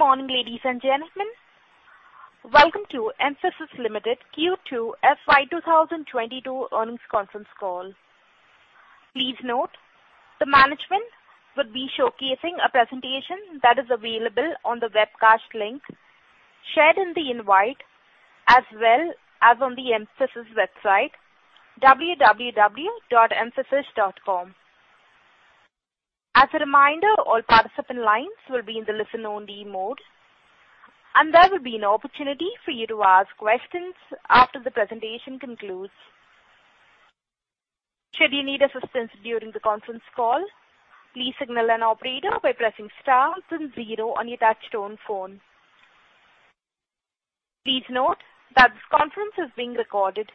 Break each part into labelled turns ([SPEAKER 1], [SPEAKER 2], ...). [SPEAKER 1] Good morning, ladies and gentlemen. Welcome to Mphasis Limited Q2 FY 2022 earnings conference call. Please note, the management will be showcasing a presentation that is available on the webcast link shared in the invite, as well as on the Mphasis website, www.mphasis.com. As a reminder, all participant lines will be in the listen-only mode, and there will be an opportunity for you to ask questions after the presentation concludes. Should you need assistance during the conference call, please signal an operator by pressing star then zero on your touch-tone phone. Please note that this conference is being recorded.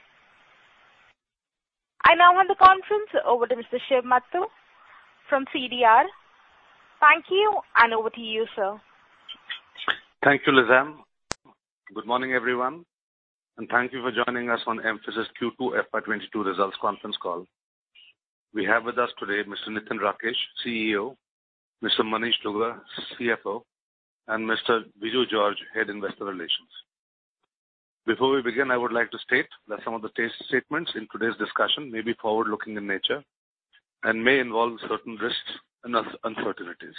[SPEAKER 1] I now hand the conference over to Mr. Shiv Matoo from CDR. Thank you, and over to you, sir. Thank you, Lizanne. Good morning, everyone, and thank you for joining us on Mphasis Q2 FY 2022 results conference call. We have with us today Mr. Nitin Rakesh, CEO, Mr. Manish Dugar, CFO, and Mr. Viju George, Head, Investor Relations. Before we begin, I would like to state that some of the statements in today's discussion may be forward-looking in nature and may involve certain risks and uncertainties.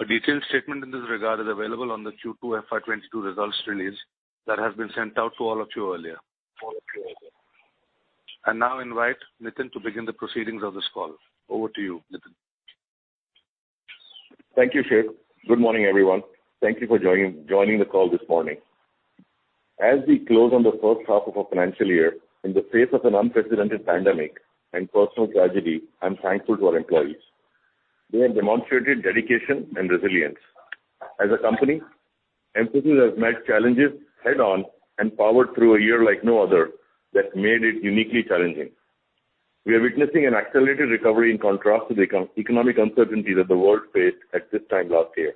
[SPEAKER 1] A detailed statement in this regard is available on the Q2 FY 2022 results release that has been sent out to all of you earlier. I now invite Nitin to begin the proceedings of this call. Over to you, Nitin.
[SPEAKER 2] Thank you, Shiv. Good morning, everyone. Thank you for joining the call this morning. As we close on the first half of our financial year in the face of an unprecedented pandemic and personal tragedy, I'm thankful to our employees. They have demonstrated dedication and resilience. As a company, Mphasis has met challenges head-on and powered through a year like no other that made it uniquely challenging. We are witnessing an accelerated recovery in contrast to the economic uncertainty that the world faced at this time last year.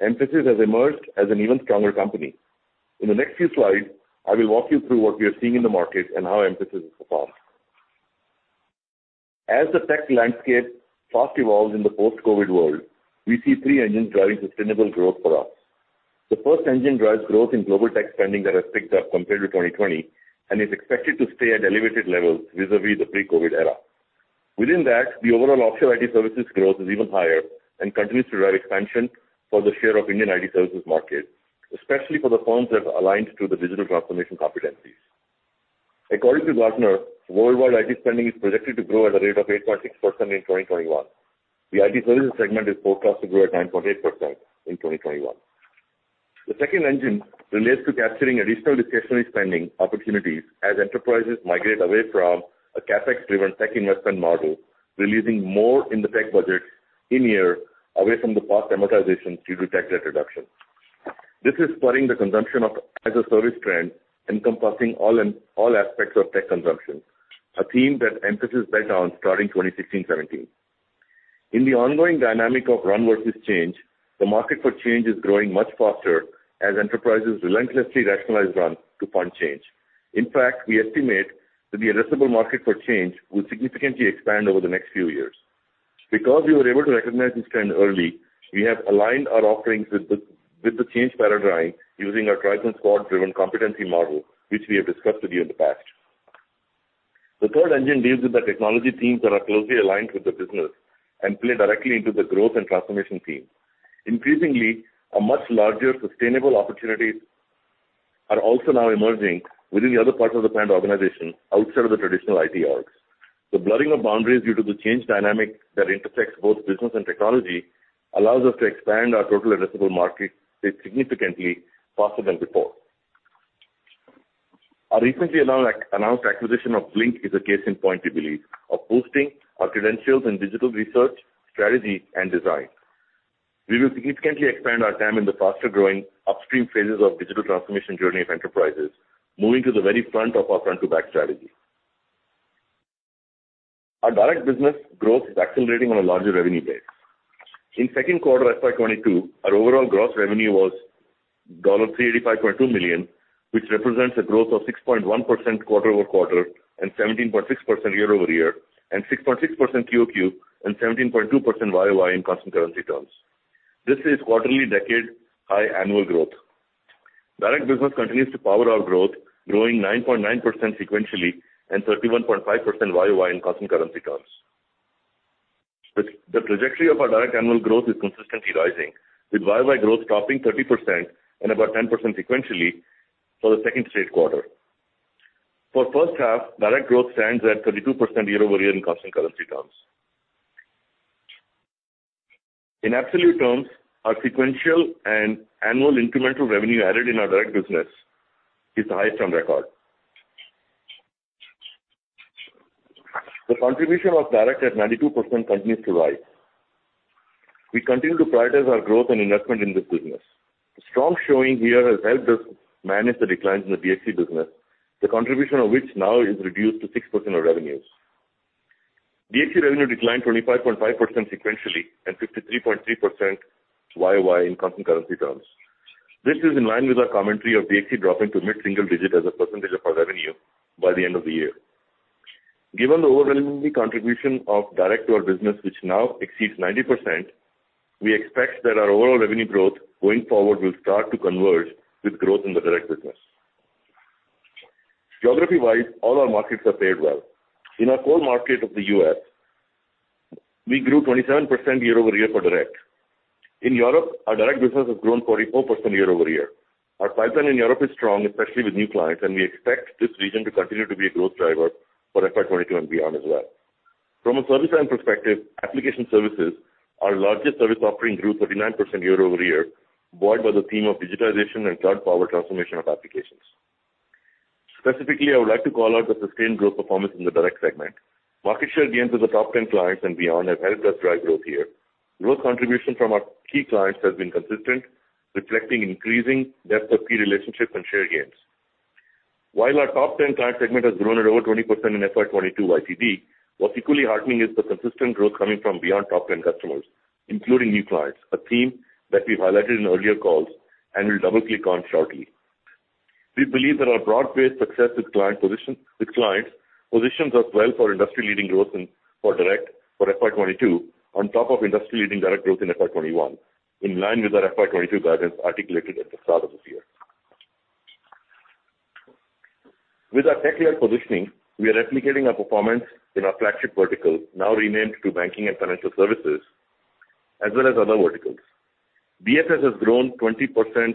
[SPEAKER 2] Mphasis has emerged as an even stronger company. In the next few slides, I will walk you through what we are seeing in the market and how Mphasis has performed. As the tech landscape fast evolves in the post-COVID world, we see three engines driving sustainable growth for us. The first engine drives growth in global tech spending that has picked up compared to 2020 and is expected to stay at elevated levels vis-a-vis the pre-COVID era. Within that, the overall offshore IT services growth is even higher and continues to drive expansion for the share of Indian IT services market, especially for the firms that have aligned to the digital transformation competencies. According to Gartner, worldwide IT spending is projected to grow at a rate of 8.6% in 2021. The IT services segment is forecast to grow at 9.8% in 2021. The second engine relates to capturing additional discretionary spending opportunities as enterprises migrate away from a CapEx driven tech investment model, releasing more in the tech budget in-year away from the past amortization due to tax debt reduction. This is spurring the consumption of as-a-service trend encompassing all aspects of tech consumption, a theme that Mphasis bet on starting 2016-2017. In the ongoing dynamic of run versus change, the market for change is growing much faster as enterprises relentlessly rationalize run to fund change. In fact, we estimate that the addressable market for change will significantly expand over the next few years. Because we were able to recognize this trend early, we have aligned our offerings with the change paradigm using our Tribe and Squad driven competency model, which we have discussed with you in the past. The third engine deals with the technology teams that are closely aligned with the business and play directly into the growth and transformation theme. Increasingly, a much larger sustainable opportunities are also now emerging within the other parts of the client organization outside of the traditional IT orgs. The blurring of boundaries due to the change dynamic that intersects both business and technology allows us to expand our total addressable market significantly faster than before. Our recently announced acquisition of Blink is a case in point, we believe, of boosting our credentials in digital research, strategy, and design. We will significantly expand our TAM in the faster-growing upstream phases of digital transformation journey of enterprises, moving to the very front of our front-to-back strategy. Our direct business growth is accelerating on a larger revenue base. In second quarter FY 2022, our overall gross revenue was $385.2 million, which represents a growth of 6.1% quarter-over-quarter and 17.6% year-over-year and 6.6% QOQ and 17.2% YOY in constant currency terms. This is quarterly decade high annual growth. Direct business continues to power our growth, growing 9.9% sequentially and 31.5% YOY in constant currency terms. The trajectory of our direct annual growth is consistently rising, with YOY growth topping 30% and about 10% sequentially for the second straight quarter. For first half, direct growth stands at 32% year-over-year in constant currency terms. In absolute terms, our sequential and annual incremental revenue added in our direct business is the highest on record. The contribution of direct at 92% continues to rise. We continue to prioritize our growth and investment in this business. The strong showing here has helped us manage the declines in the BXC business, the contribution of which now is reduced to 6% of revenues. BXC revenue declined 25.5% sequentially and 53.3% YOY in constant currency terms. This is in line with our commentary of DXC dropping to mid-single digit as a percentage of our revenue by the end of the year. Given the overwhelming contribution of direct to our business, which now exceeds 90%, we expect that our overall revenue growth going forward will start to converge with growth in the direct business. Geography-wise, all our markets have fared well. In our core market of the U.S., we grew 27% year-over-year for direct. In Europe, our direct business has grown 44% year-over-year. Our pipeline in Europe is strong, especially with new clients, and we expect this region to continue to be a growth driver for FY 2022 and beyond as well. From a service line perspective, application services, our largest service offering, grew 39% year-over-year, buoyed by the theme of digitization and cloud-powered transformation of applications. Specifically, I would like to call out the sustained growth performance in the direct segment. Market share gains with the top 10 clients and beyond have helped us drive growth here. Growth contribution from our key clients has been consistent, reflecting increasing depth of key relationships and share gains. While our top 10 client segment has grown at over 20% in FY 2022 YTD, what's equally heartening is the consistent growth coming from beyond top 10 customers, including new clients, a theme that we highlighted in earlier calls and will double-click on shortly. We believe that our broad-based success with clients positions us well for industry-leading growth for direct for FY 2022 on top of industry-leading direct growth in FY 2021, in line with our FY 2022 guidance articulated at the start of this year. With our tech-led positioning, we are replicating our performance in our flagship vertical, now renamed to Banking and Financial Services, as well as other verticals. BFS has grown 20%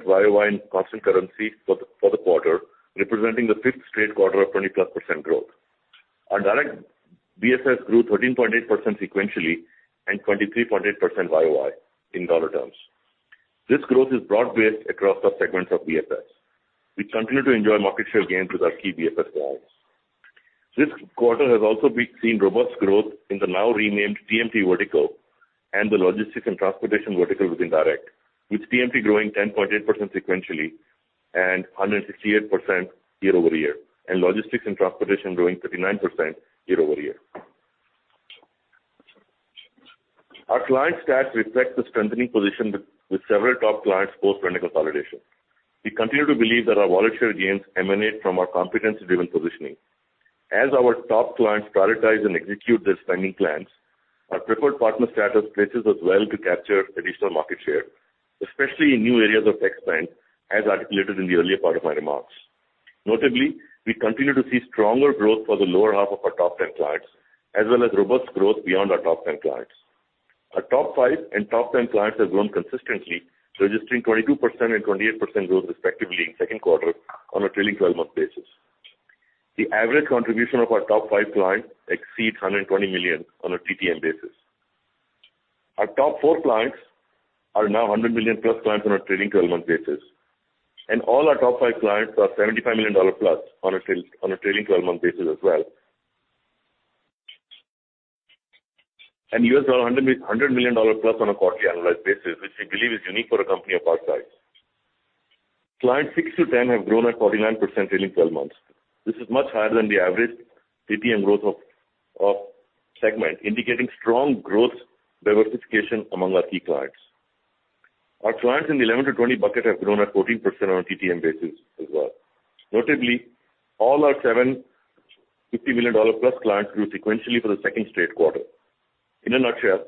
[SPEAKER 2] YOY in constant currency for the quarter, representing the fifth straight quarter of 20%+ growth. Our direct BFS grew 13.8% sequentially and 23.8% YOY in U.S.D. terms. This growth is broad-based across all segments of BFS. We continue to enjoy market share gains with our key BFS clients. This quarter has also seen robust growth in the now renamed TMT vertical and the logistics and transportation vertical within direct, with TMT growing 10.8% sequentially and 168% year-over-year, and logistics and transportation growing 39% year-over-year. Our client stats reflect the strengthening position with several top clients post-Mphasis consolidation. We continue to believe that our wallet share gains emanate from our competency-driven positioning. As our top clients prioritize and execute their spending plans, our preferred partner status places us well to capture additional market share, especially in new areas of tech spend, as articulated in the earlier part of my remarks. Notably, we continue to see stronger growth for the lower half of our top 10 clients, as well as robust growth beyond our top 10 clients. Our top five and top 10 clients have grown consistently, registering 22% and 28% growth respectively in second quarter on a trailing 12-month basis. The average contribution of our top five clients exceeds $120 million on a TTM basis. Our top four clients are now $100 million+ clients on a trailing 12-month basis, and all our top five clients are $75 million+ on a trailing 12-month basis as well. U.S. $100 million+ on a quarterly analyzed basis, which we believe is unique for a company of our size. Clients six to 10 have grown at 49% trailing 12 months. This is much higher than the average TTM growth of segment, indicating strong growth diversification among our key clients. Our clients in the 11 - 20 bucket have grown at 14% on a TTM basis as well. Notably, all our seven $50 million+ clients grew sequentially for the second straight quarter. In a nutshell,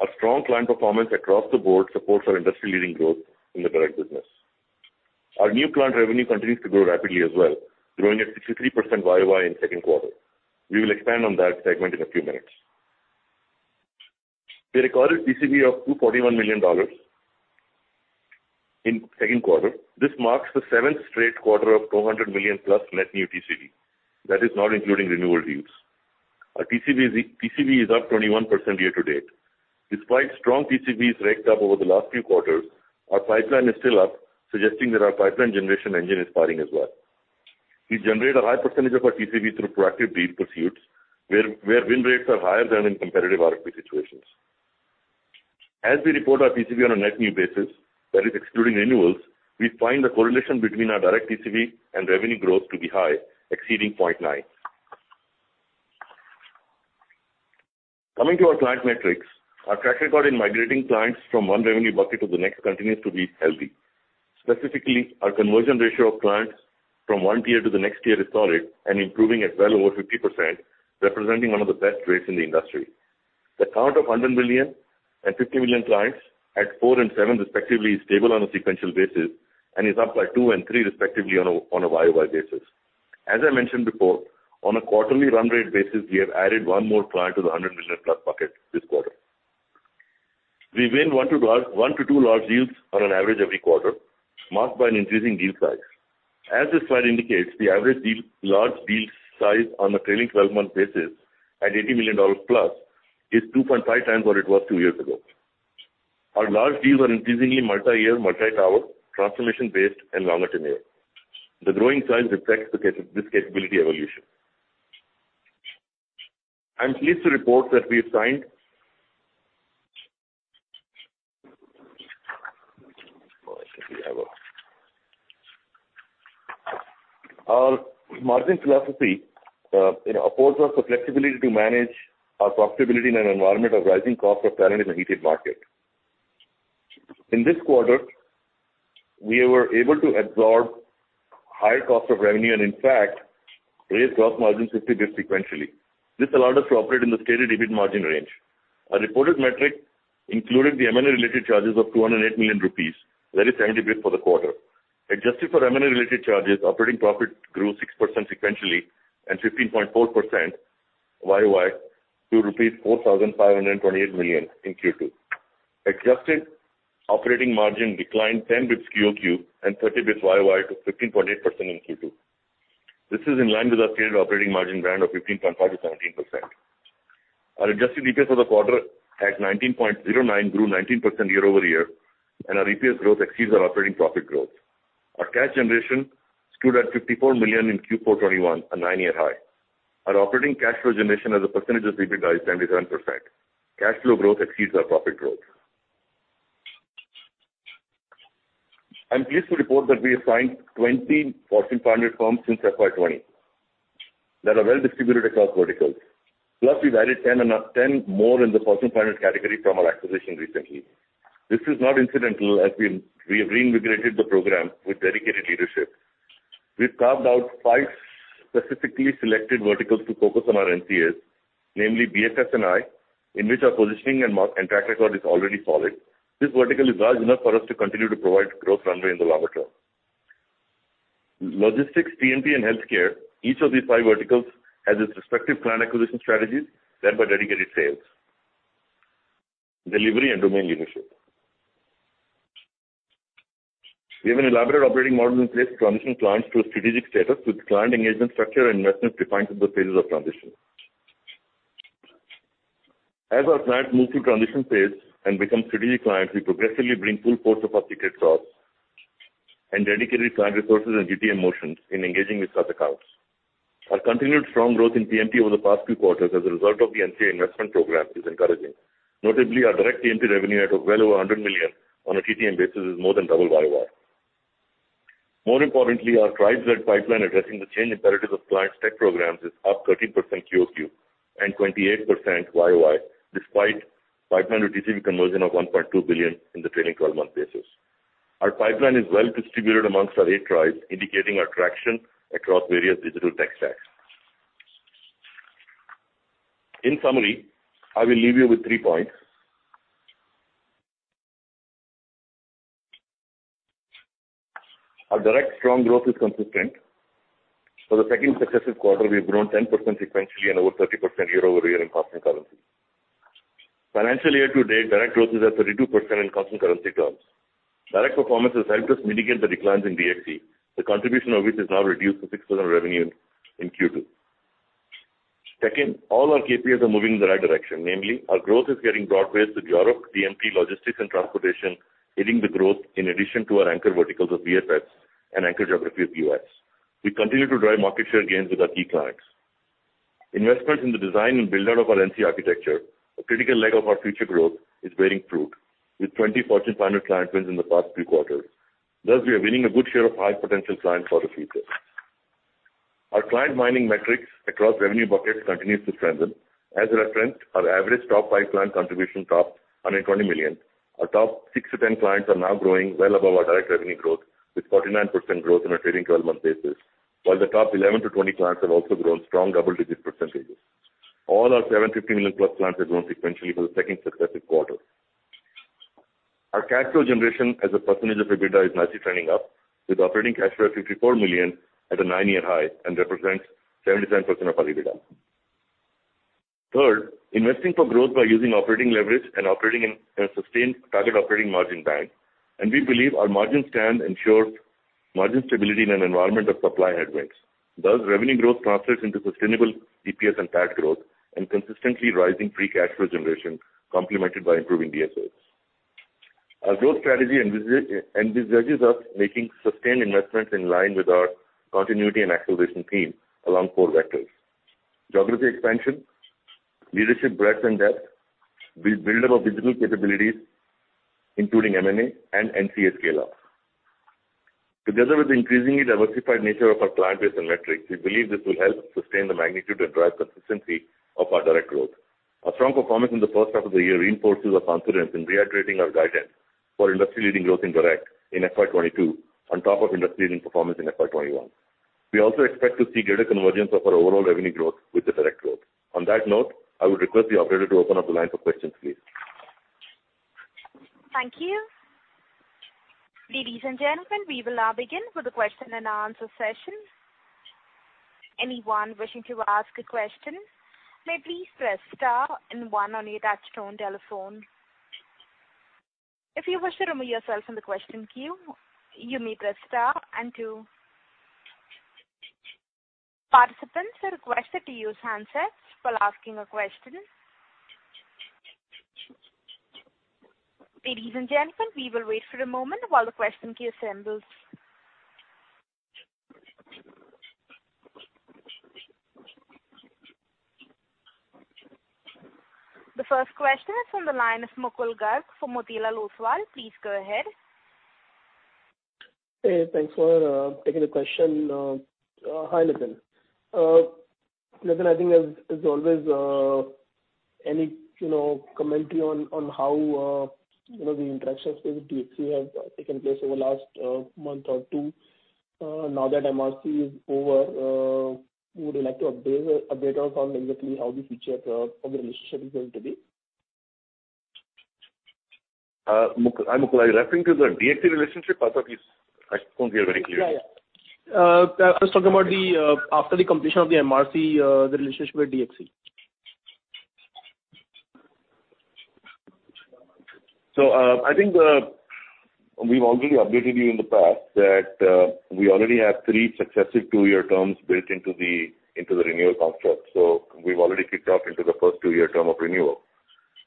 [SPEAKER 2] our strong client performance across the board supports our industry-leading growth in the direct business. Our new client revenue continues to grow rapidly as well, growing at 63% YOY in second quarter. We will expand on that segment in a few minutes. We recorded TCV of $241 million in second quarter. This marks the seventh straight quarter of $200 million+ net new TCV. That is not including renewal deals. Our TCV is up 21% year to date. Despite strong TCVs racked up over the last few quarters, our pipeline is still up, suggesting that our pipeline generation engine is firing as well. We generate a high percentage of our TCV through proactive deal pursuits, where win rates are higher than in competitive RFP situations. As we report our TCV on a net new basis, that is excluding renewals, we find the correlation between our direct TCV and revenue growth to be high, exceeding 0.9. Coming to our client metrics, our track record in migrating clients from 1 revenue bucket to the next continues to be healthy. Specifically, our conversion ratio of clients from 1 tier to the next tier is solid and improving at well over 50%, representing one of the best rates in the industry. The count of $100 million and $50 million clients at four and seven respectively is stable on a sequential basis and is up by two and three respectively on a year-over-year basis. As I mentioned before, on a quarterly run rate basis, we have added 1 more client to the $100 million+ bucket this quarter. We win one to two large deals on an average every quarter, marked by an increasing deal size. As this slide indicates, the average large deal size on a trailing 12-month basis at $80 million+ is 2.5x what it was two years ago. Our large deals are increasingly multi-year, multi-tower, transformation-based, and longer tenure. The growing size reflects this capability evolution. I'm pleased to report that we have signed. Our margin philosophy affords us the flexibility to manage our profitability in an environment of rising cost of talent in a heated market. In this quarter, we were able to absorb higher cost of revenue and in fact, raise gross margin 50 basis points sequentially. This allowed us to operate in the stated EBITDA margin range. Our reported metric included the M&A-related charges of 208 million rupees, that is 70 basis points for the quarter. Adjusted for M&A-related charges, operating profit grew 6% sequentially and 15.4% year-over-year to rupees 4,528 million in Q2. Adjusted operating margin declined 10 basis points quarter-over-quarter and 30 basis points year-over-year to 15.8% in Q2. This is in line with our stated operating margin band of 15.5%-17%. Our adjusted EPS for the quarter at 19.09 grew 19% year-over-year, and our EPS growth exceeds our operating profit growth. Our cash generation stood at 54 million in Q4 '21, a nine-year high. Our operating cash flow generation as a percentage of EBITDA is 77%. Cash flow growth exceeds our profit growth. I'm pleased to report that we have signed 20 Fortune 500 firms since FY 2020 that are well distributed across verticals. Plus, we've added 10 more in the Fortune 500 category from our acquisition recently. This is not incidental, as we have reinvigorated the program with dedicated leadership. We've carved out five specifically selected verticals to focus on our NCAs, namely BFSI, in which our positioning and track record is already solid. This vertical is large enough for us to continue to provide growth runway in the longer term. Logistics, TMT, and healthcare, each of these five verticals has its respective client acquisition strategies led by dedicated sales, delivery, and domain leadership. We have an elaborate operating model in place to transition clients to a strategic status, with client engagement structure and investments defined through the phases of transition. As our clients move through transition phase and become strategic clients, we progressively bring full force of our ticket sales and dedicated client resources and GTM motions in engaging with such accounts. Our continued strong growth in TMT over the past few quarters as a result of the NCA investment program is encouraging. Notably, our direct TMT revenue at well over 100 million on a TTM basis is more than double YOY. More importantly, our Tribe-led pipeline addressing the change imperatives of clients' tech programs is up 13% QOQ and 28% YOY, despite pipeline reducing conversion of 1.2 billion in the trailing 12-month basis. Our pipeline is well distributed amongst our eight Tribes, indicating our traction across various digital tech stacks. In summary, I will leave you with three points. Our direct strong growth is consistent. For the second successive quarter, we've grown 10% sequentially and over 30% year-over-year in constant currency. Financial year-to-date, direct growth is at 32% in constant currency terms. Direct performance has helped us mitigate the declines in DXC, the contribution of which is now reduced to 6% of revenue in Q2. Second, all our KPIs are moving in the right direction. Namely, our growth is getting broad-based, with Europe, TMT, logistics, and transportation hitting the growth in addition to our anchor verticals of BFS and anchor geography of U.S. We continue to drive market share gains with our key clients. Investments in the design and build-out of our NC architecture, a critical leg of our future growth, is bearing fruit with 20 Fortune 500 client wins in the past three quarters. Thus, we are winning a good share of high-potential clients for the future. Our client mining metrics across revenue buckets continues to strengthen. As referenced, our average top five client contribution topped 120 million. Our top six - 10 clients are now growing well above our direct revenue growth, with 49% growth on a trailing 12-month basis. While the top 11 - 20 clients have also grown strong double-digit percentages. All our 750 million+ clients have grown sequentially for the second successive quarter. Our cash flow generation as a % of EBITDA is nicely trending up, with operating cash flow of 54 million at a nine-year high and represents 77% of our EBITDA. Third, investing for growth by using operating leverage and a sustained target operating margin band. We believe our margin stand ensures margin stability in an environment of supply headwinds. Thus, revenue growth translates into sustainable EPS and PAT growth and consistently rising free cash flow generation complemented by improving DSOs. Our growth strategy envisages us making sustained investments in line with our continuity and acceleration theme along four vectors: geography expansion, leadership breadth and depth, build-up of digital capabilities including M&A, and NCA scale-up. Together with the increasingly diversified nature of our client base and metrics, we believe this will help sustain the magnitude and drive consistency of our direct growth. Our strong performance in the first half of the year reinforces our confidence in reiterating our guidance for industry-leading growth in direct in FY 2022, on top of industry-leading performance in FY 2021. We also expect to see greater convergence of our overall revenue growth with the direct growth. On that note, I would request the operator to open up the line for questions, please.
[SPEAKER 1] Thank you. Ladies and gentlemen, we will now begin with the question and answer session. Anyone wishing to ask a question, may please press star and one on your touchtone telephone. If you wish to remove yourself from the question queue, you may press star and two. Participants are requested to use handsets while asking a question. Ladies and gentlemen, we will wait for a moment while the question queue assembles. The first question is from the line of Mukul Garg from Motilal Oswal. Please go ahead.
[SPEAKER 3] Hey, thanks for taking the question. Hi, Nitin. Nitin, I think as always, any commentary on how the interactions with DXC have taken place over the last month or two now that MRC is over. Would you like to update us on exactly how the future of the relationship is going to be?
[SPEAKER 2] Mukul, are you referring to the DXC relationship? I suppose you're very clear.
[SPEAKER 3] Yeah. I was talking about after the completion of the MRC, the relationship with DXC.
[SPEAKER 2] I think we've already updated you in the past that we already have three successive two-year terms built into the renewal construct. We've already kicked off into the first two-year term of renewal.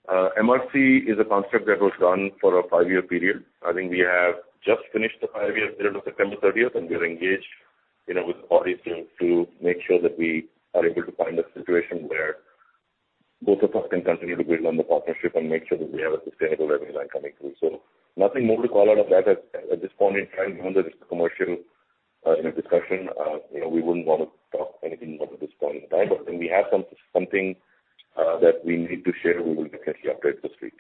[SPEAKER 2] MRC is a construct that was done for a five-year period. I think we have just finished the five-year period of September 30th, and we are engaged with the parties to make sure that we are able to find a situation where both of us can continue to build on the partnership and make sure that we have a sustainable revenue line coming through. Nothing more to call out of that at this point in time, given that it's a commercial discussion. We wouldn't want to talk anything about it at this point in time. When we have something that we need to share, we will definitely update the street.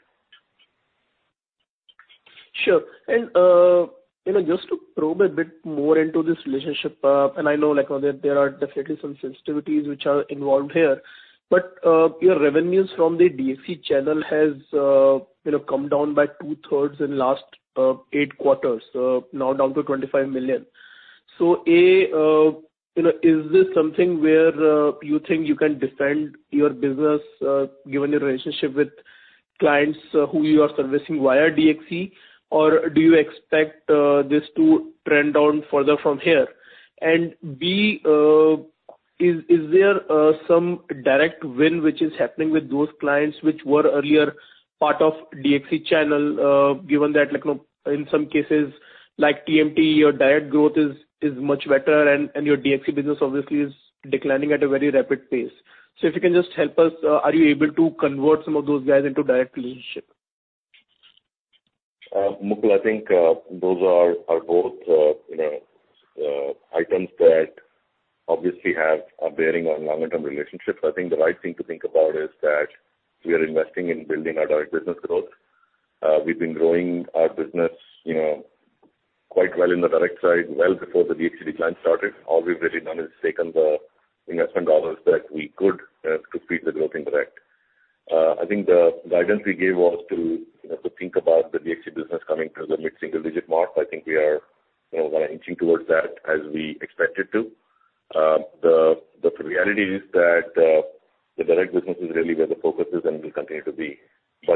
[SPEAKER 3] Sure. Just to probe a bit more into this relationship, I know there are definitely some sensitivities which are involved here. Your revenues from the DXC channel has come down by two-thirds in last eight quarters, now down to $25 million. A, is this something where you think you can defend your business given your relationship with clients who you are servicing via DXC, or do you expect this to trend down further from here? B, is there some direct win which is happening with those clients which were earlier part of DXC channel, given that in some cases like TMT, your direct growth is much better and your DXC business obviously is declining at a very rapid pace. If you can just help us, are you able to convert some of those guys into direct relationship?
[SPEAKER 2] Mukul, I think those are both items that obviously have a bearing on long-term relationships. I think the right thing to think about is that we are investing in building our direct business growth. We've been growing our business quite well in the direct side well before the DXC decline started. All we've really done is taken the investment dollars that we could to feed the growth in direct. I think the guidance we gave was to think about the DXC business coming through the mid-single digit mark. I think we are inching towards that as we expected to. The reality is that the direct business is really where the focus is and will continue to be.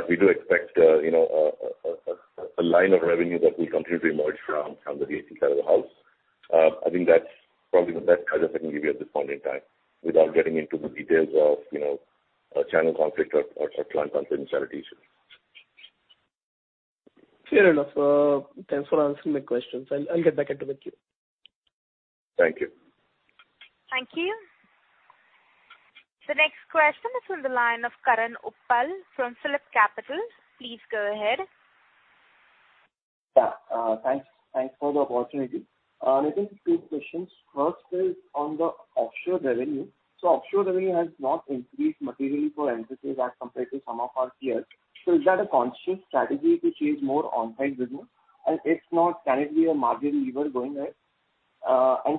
[SPEAKER 2] We do expect a line of revenue that will continue to emerge from the DXC side of the house. I think that's probably the best guidance I can give you at this point in time without getting into the details of channel conflict or client confidentiality issues.
[SPEAKER 3] Fair enough. Thanks for answering my questions. I'll get back into the queue.
[SPEAKER 2] Thank you.
[SPEAKER 1] Thank you. The next question is from the line of Karan Uppal from PhillipCapital. Please go ahead.
[SPEAKER 4] Yeah. Thanks for the opportunity. Nitin, two questions. First is on the offshore revenue. Offshore revenue has not increased materially for Mphasis as compared to some of our peers. Is that a conscious strategy to change more on-site business? If not, can it be a margin lever going ahead?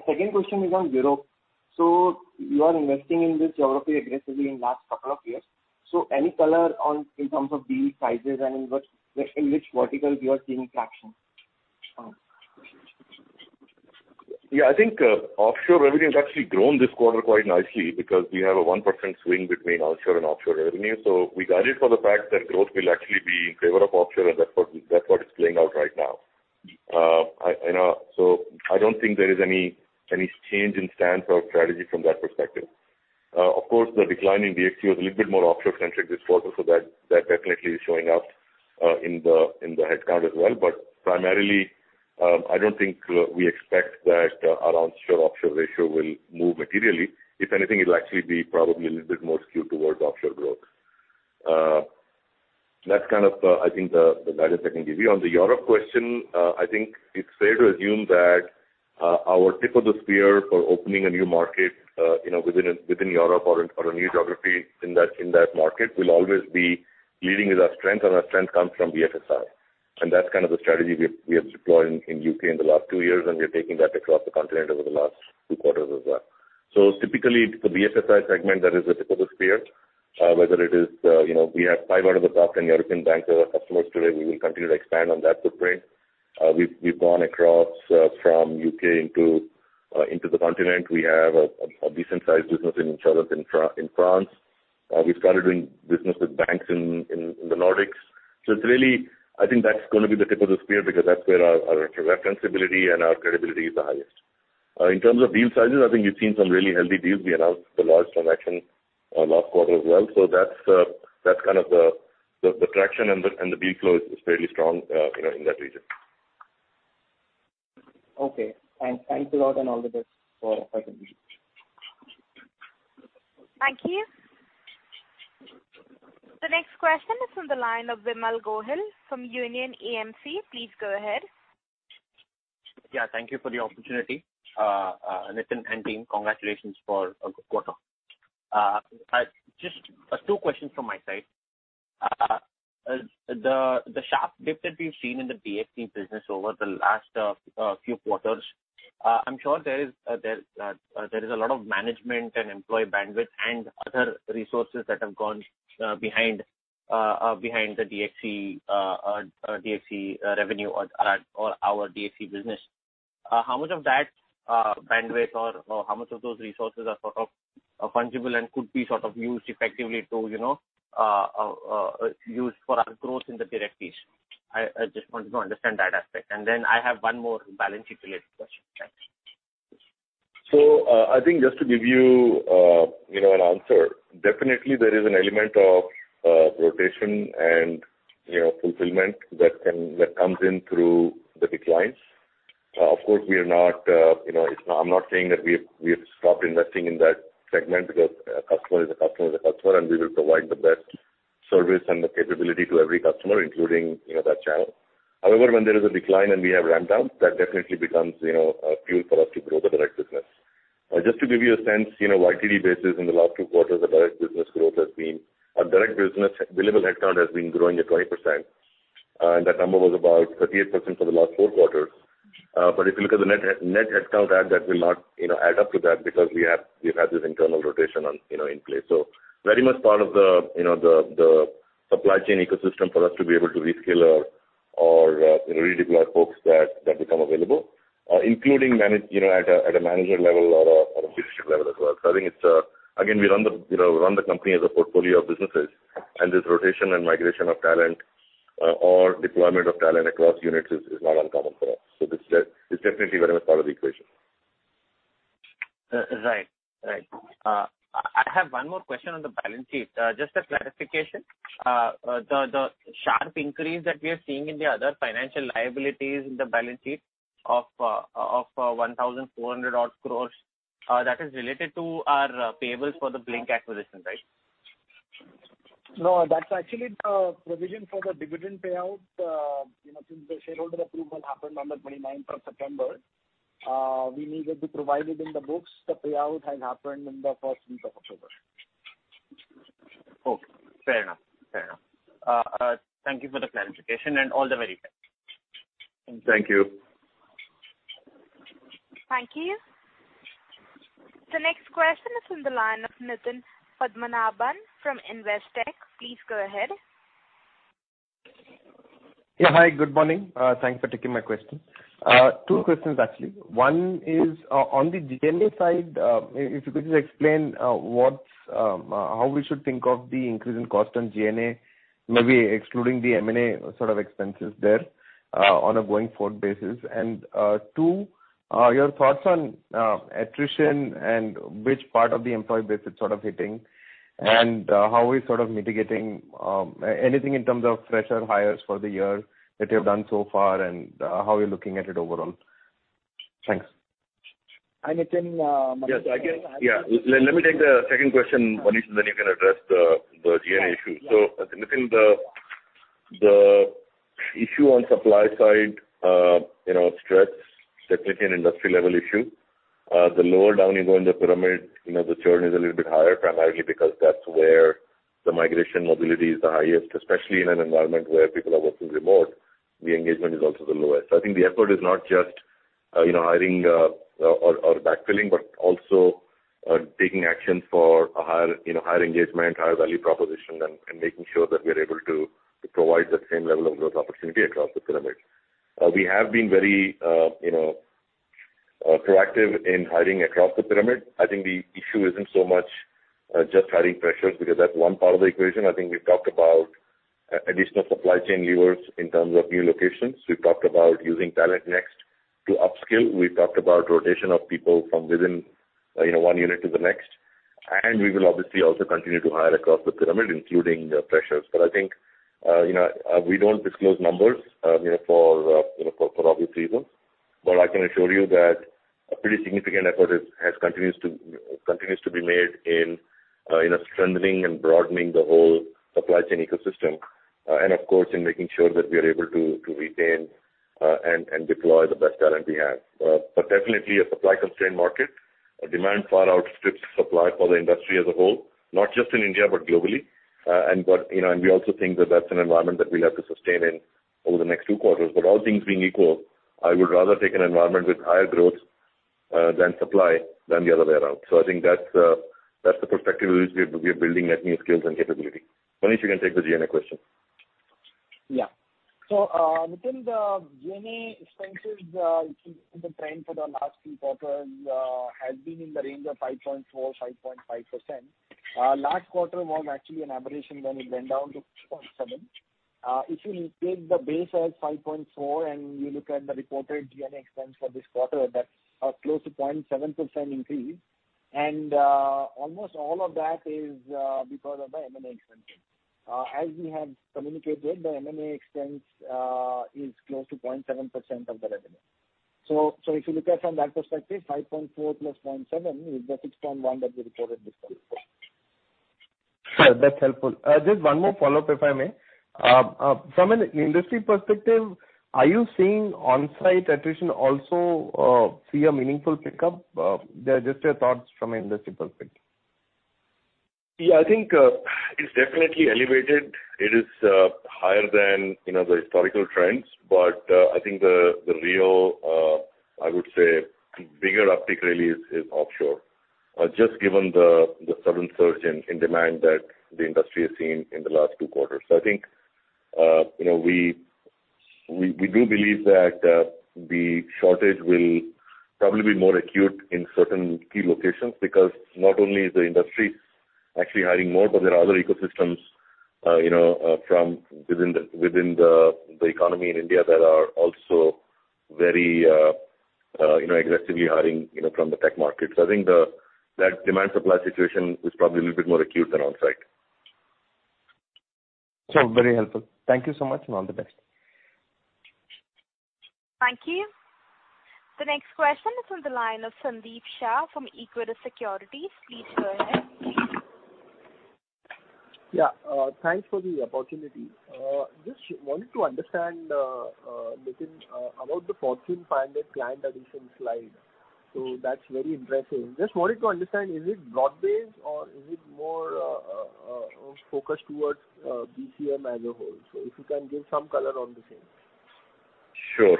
[SPEAKER 4] Second question is on Europe. You are investing in this geography aggressively in last couple of years. Any color in terms of deal sizes and in which verticals you are seeing traction?
[SPEAKER 2] I think offshore revenue has actually grown this quarter quite nicely because we have a 1% swing between onshore and offshore revenue. We guided for the fact that growth will actually be in favor of offshore, and that's what is playing out right now. I don't think there is any change in stance or strategy from that perspective. Of course, the decline in DXC was a little bit more offshore-centric this quarter, so that definitely is showing up in the headcount as well. Primarily, I don't think we expect that our onshore-offshore ratio will move materially. If anything, it'll actually be probably a little bit more skewed towards offshore growth. That's the guidance I can give you. On the Europe question, I think it's fair to assume that our tip of the spear for opening a new market within Europe or a new geography in that market will always be leading with our strength, and our strength comes from BFSI. That's the strategy we have deployed in U.K. in the last two years, and we are taking that across the continent over the last two quarters as well. Typically, the BFSI segment, that is the tip of the spear. We have five out of the top 10 European banks as our customers today. We will continue to expand on that footprint. We've gone across from U.K. into the continent. We have a decent-sized business in France. We started doing business with banks in the Nordics. I think that's going to be the tip of the spear because that's where our referenceability and our credibility is the highest. In terms of deal sizes, I think you've seen some really healthy deals. We announced a large transaction last quarter as well. That's the traction, and the deal flow is fairly strong in that region.
[SPEAKER 4] Okay. Thanks a lot, and all the best for FY 2023.
[SPEAKER 1] Thank you. The next question is from the line of Vimal Gohil from Union AMC. Please go ahead.
[SPEAKER 5] Yeah, thank you for the opportunity. Nitin and team, congratulations for a good quarter. Just two questions from my side. The sharp dip that we've seen in the DXC business over the last few quarters, I'm sure there is a lot of management and employee bandwidth and other resources that have gone behind the DXC revenue or our DXC business. How much of that bandwidth or how much of those resources are sort of fungible and could be used effectively to use for our growth in the direct piece? I just wanted to understand that aspect and then I have one more balance sheet related question.
[SPEAKER 2] I think just to give you an answer, definitely there is an element of rotation and fulfillment that comes in through the declines. Of course, I'm not saying that we've stopped investing in that segment because a customer is a customer is a customer, and we will provide the best service and the capability to every customer, including that channel. However, when there is a decline and we have ramp down, that definitely becomes fuel for us to grow the direct business. Just to give you a sense, YTD basis in the last two quarters, our direct business billable headcount has been growing at 20%, and that number was about 38% for the last four quarters. If you look at the net headcount add, that will not add up to that because we've had this internal rotation in place. Very much part of the supply chain ecosystem for us to be able to reskill or redeploy folks that become available, including at a manager level or a leadership level as well. I think it's, again, we run the company as a portfolio of businesses and this rotation and migration of talent or deployment of talent across units is not uncommon for us. This is definitely very much part of the equation.
[SPEAKER 5] Right. I have one more question on the balance sheet. Just a clarification. The sharp increase that we are seeing in the other financial liabilities in the balance sheet of 1,400 odd crores, that is related to our payables for the Blink acquisition, right?
[SPEAKER 6] No, that's actually the provision for the dividend payout. Since the shareholder approval happened on the 29th of September, we needed to provide it in the books. The payout has happened in the first week of October.
[SPEAKER 5] Okay, fair enough. Thank you for the clarification and all the very best.
[SPEAKER 2] Thank you.
[SPEAKER 1] Thank you. The next question is from the line of Nitin Padmanabhan from Investec. Please go ahead.
[SPEAKER 7] Yeah, hi, good morning. Thanks for taking my question. Two questions, actually. One is on the G&A side, if you could just explain how we should think of the increase in cost on G&A, maybe excluding the M&A sort of expenses there on a going-forward basis. Two, your thoughts on attrition and which part of the employee base it's sort of hitting and how we're sort of mitigating. Anything in terms of fresher hires for the year that you have done so far and how you're looking at it overall. Thanks.
[SPEAKER 6] Hi, Nitin.
[SPEAKER 2] Yes. Let me take the second question, Manish, and then you can address the G&A issue. I think the issue on supply side stress, definitely an industry level issue. The lower down you go in the pyramid, the churn is a little bit higher, primarily because that's where the migration mobility is the highest. Especially in an environment where people are working remote, the engagement is also the lowest. I think the effort is not just hiring or backfilling, but also taking action for a higher engagement, higher value proposition, and making sure that we're able to provide that same level of growth opportunity across the pyramid. We have been very proactive in hiring across the pyramid. I think the issue isn't so much just hiring freshers because that's one part of the equation. I think we've talked about additional supply chain levers in terms of new locations. We've talked about using TalentNext to upskill. We've talked about rotation of people from within one unit to the next. We will obviously also continue to hire across the pyramid, including freshers. I think we don't disclose numbers for obvious reasons. I can assure you that a pretty significant effort continues to be made in strengthening and broadening the whole supply chain ecosystem. Of course, in making sure that we are able to retain and deploy the best talent we have. Definitely a supply-constrained market. Demand far outstrips supply for the industry as a whole, not just in India, but globally. We also think that that's an environment that we'll have to sustain in over the next two quarters. All things being equal, I would rather take an environment with higher growth than supply than the other way around. I think that's the perspective with which we are building net new skills and capability. Manish, you can take the G&A question.
[SPEAKER 6] Yeah. Within the G&A expenses, if you see the trend for the last few quarters has been in the range of 5.4%, 5.5%. Last quarter was actually an aberration when it went down to 3.7%. If you take the base as 5.4% and you look at the reported G&A expense for this quarter, that's a close to 0.7% increase. Almost all of that is because of the M&A expenses. As we have communicated, the M&A expense is close to 0.7% of the revenue. If you look at it from that perspective, 5.4+ 0.7 is the 6.1 that we reported this quarter.
[SPEAKER 7] Sure. That's helpful. Just one more follow-up, if I may. From an industry perspective, are you seeing on-site attrition also see a meaningful pickup? Just your thoughts from an industry perspective.
[SPEAKER 2] I think it's definitely elevated. It is higher than the historical trends. I think the real, I would say, bigger uptick really is offshore. Just given the sudden surge in demand that the industry has seen in the last two quarters. I think we do believe that the shortage will probably be more acute in certain key locations, because not only is the industry actually hiring more, but there are other ecosystems within the economy in India that are also very aggressively hiring from the tech market. I think that demand supply situation is probably a little bit more acute than on-site.
[SPEAKER 7] Sure. Very helpful. Thank you so much, and all the best.
[SPEAKER 1] Thank you. The next question is on the line of Sandeep Shah from Equirus Securities. Please go ahead.
[SPEAKER 8] Yeah. Thanks for the opportunity. Just wanted to understand, Nitin, about the Fortune 500 client addition slide. That's very impressive. Just wanted to understand, is it broad-based or is it more focused towards BFS as a whole? If you can give some color on the same.
[SPEAKER 2] Sure.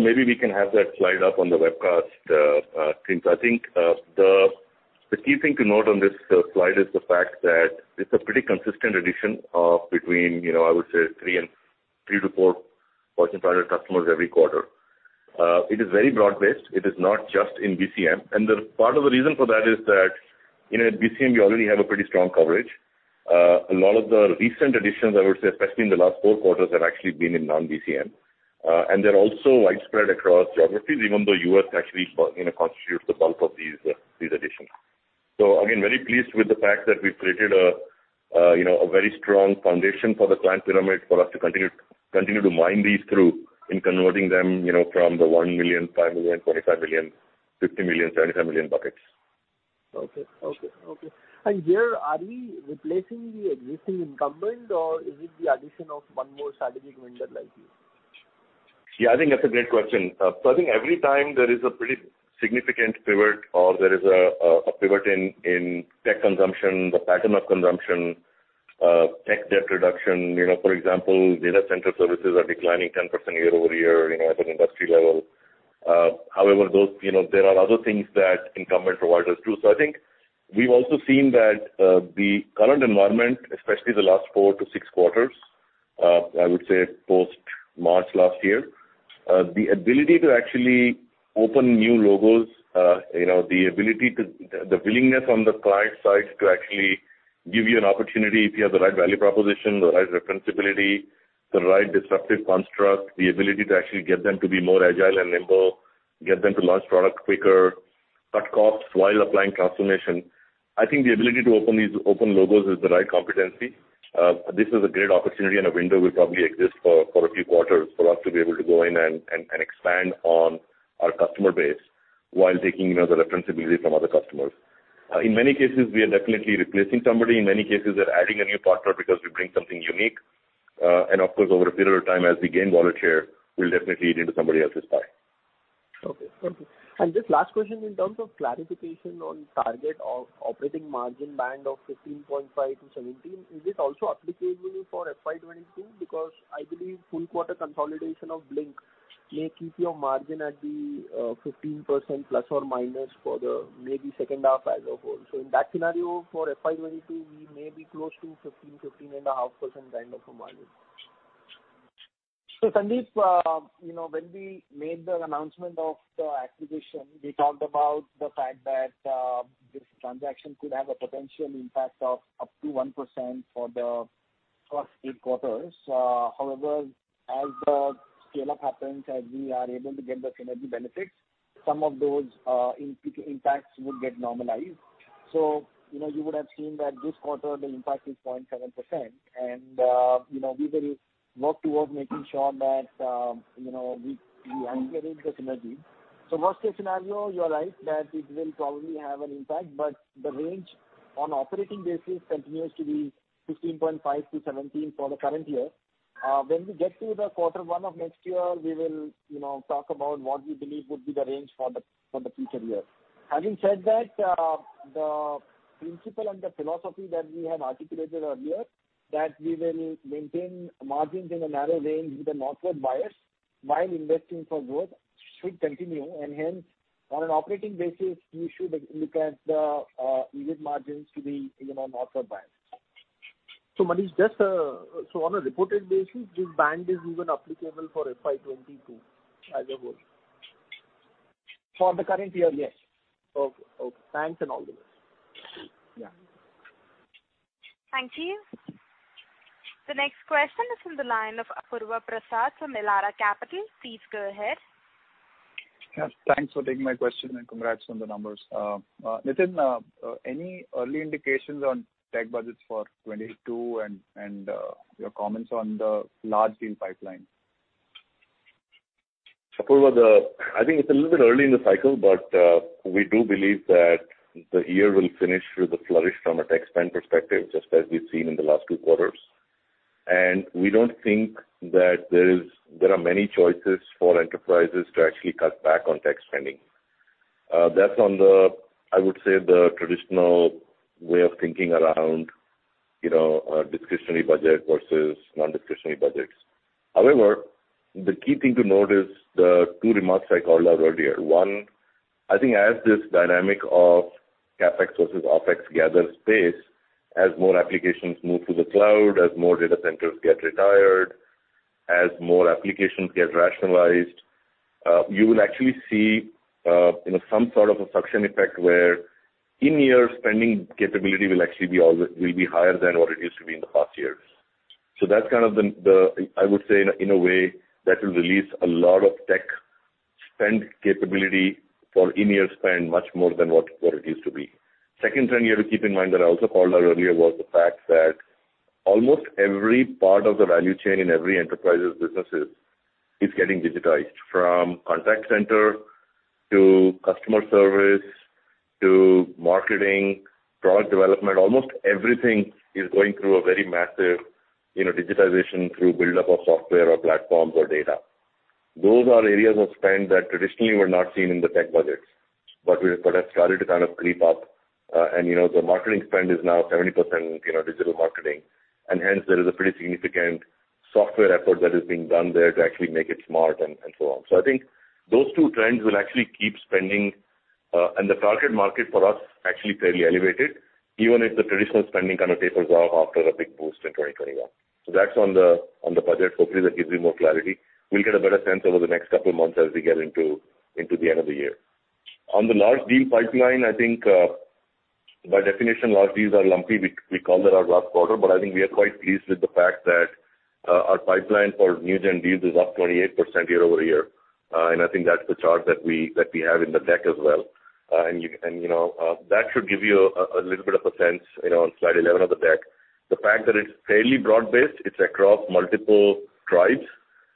[SPEAKER 2] Maybe we can have that slide up on the webcast. I think the key thing to note on this slide is the fact that it's a pretty consistent addition of between, I would say, three - four Fortune 500 customers every quarter. It is very broad-based. It is not just in BFS. Part of the reason for that is that in BFS, we already have a pretty strong coverage. A lot of the recent additions, I would say, especially in the last four quarters, have actually been in non-BFS. They're also widespread across geographies, even though U.S. actually constitutes the bulk of these additions. Again, very pleased with the fact that we've created a very strong foundation for the client pyramid for us to continue to mine these through in converting them from the 1 million, 5 million, 25 million, 50 million, 75 million buckets.
[SPEAKER 8] Okay. Here, are we replacing the existing incumbent or is it the addition of one more strategic vendor like you?
[SPEAKER 2] Yeah, I think that's a great question. I think every time there is a pretty significant pivot or there is a pivot in tech consumption, the pattern of consumption, tech debt reduction. For example, data center services are declining 10% year-over-year at an industry level. However, there are other things that incumbent providers too. I think we've also seen that the current environment, especially the last four quarters - six quarters, I would say post March last year, the ability to actually open new logos, the willingness on the client side to actually give you an opportunity if you have the right value proposition, the right referenceability, the right disruptive construct, the ability to actually get them to be more agile and nimble, get them to launch product quicker, cut costs while applying transformation. I think the ability to open logos is the right competency. This is a great opportunity and a window will probably exist for a few quarters for us to be able to go in and expand on our customer base while taking the referenceability from other customers. In many cases, we are definitely replacing somebody. In many cases, we are adding a new partner because we bring something unique. Of course, over a period of time, as we gain wallet share, we'll definitely eat into somebody else's pie.
[SPEAKER 8] Okay. Just last question in terms of clarification on target operating margin band of 15.5%-17%. Is this also applicable for FY 2022? I believe full quarter consolidation of Blink may keep your margin at the 15% ± for the maybe second half as a whole. In that scenario, for FY 2022, we may be close to 15%-15.5% kind of a margin.
[SPEAKER 6] Sandeep, when we made the announcement of the acquisition, we talked about the fact that this transaction could have a potential impact of up to 1% for the first eight quarters. However, as the scale-up happens, as we are able to get the synergy benefits, some of those impacts would get normalized. You would have seen that this quarter the impact is 0.7%. We will work towards making sure that we aggregate the synergy. Worst-case scenario, you are right that it will probably have an impact, but the range on operating basis continues to be 15.5%-17% for the current year. When we get to the quarter one of next year, we will talk about what we believe would be the range for the future year. Having said that, the principle and the philosophy that we have articulated earlier, that we will maintain margins in a narrow range with a northward bias while investing for growth should continue. Hence, on an operating basis, we should look at the EBIT margins to be northward biased.
[SPEAKER 8] Manish, on a reported basis, this band is even applicable for FY 2022 as a whole?
[SPEAKER 6] For the current year, yes.
[SPEAKER 8] Okay. Thanks, and all the best.
[SPEAKER 6] Yeah.
[SPEAKER 1] Thank you. The next question is on the line of Apurva Prasad from Elara Capital. Please go ahead.
[SPEAKER 9] Yes. Thanks for taking my question, and congrats on the numbers. Nitin, any early indications on tech budgets for 2022 and your comments on the large deal pipeline?
[SPEAKER 2] Apurva, I think it's a little bit early in the cycle, but we do believe that the year will finish with a flourish from a tech spend perspective, just as we've seen in the last two quarters. We don't think that there are many choices for enterprises to actually cut back on tech spending. That's on the, I would say, the traditional way of thinking around discretionary budget versus non-discretionary budgets. However, the key thing to note is the two remarks I called out earlier. One, I think as this dynamic of CapEx versus OpEx gathers pace, as more applications move to the cloud, as more data centers get retired, as more applications get rationalized, you will actually see some sort of a suction effect where in-year spending capability will actually be higher than what it used to be in the past years. That's kind of the, I would say, in a way, that will release a lot of tech spend capability for in-year spend much more than what it used to be. Second trend you have to keep in mind that I also called out earlier was the fact that almost every part of the value chain in every enterprise's businesses is getting digitized. From contact center to customer service, to marketing, product development. Almost everything is going through a very massive digitization through buildup of software or platforms or data. Those are areas of spend that traditionally were not seen in the tech budgets, but have started to kind of creep up. The marketing spend is now 70% digital marketing, and hence there is a pretty significant software effort that is being done there to actually make it smart and so on. I think those two trends will actually keep spending and the target market for us actually fairly elevated, even if the traditional spending kind of tapers off after a big boost in 2021. That's on the budget. Hopefully, that gives you more clarity. We'll get a better sense over the next couple of months as we get into the end of the year. On the large deal pipeline, I think by definition, large deals are lumpy. We called out last quarter, but I think we are quite pleased with the fact that our pipeline for new gen deals is up 28% year-over-year. I think that's the chart that we have in the deck as well. That should give you a little bit of a sense on slide 11 of the deck. The fact that it's fairly broad-based, it's across multiple Tribes.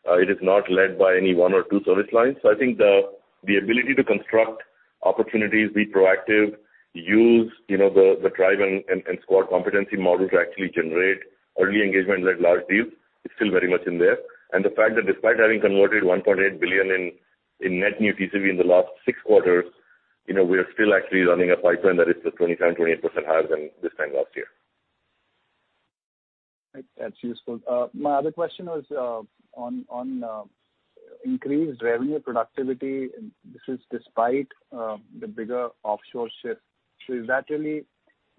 [SPEAKER 2] It is not led by any one or two service lines. I think the ability to construct opportunities, be proactive, use the Tribe and Squad competency model to actually generate early engagement-led large deals is still very much in there. The fact that despite having converted $1.8 billion in net new TCV in the last six quarters, we are still actually running a pipeline that is 27%-28% higher than this time last year.
[SPEAKER 9] Right. That's useful. My other question was on increased revenue productivity. This is despite the bigger offshore shift. Is that really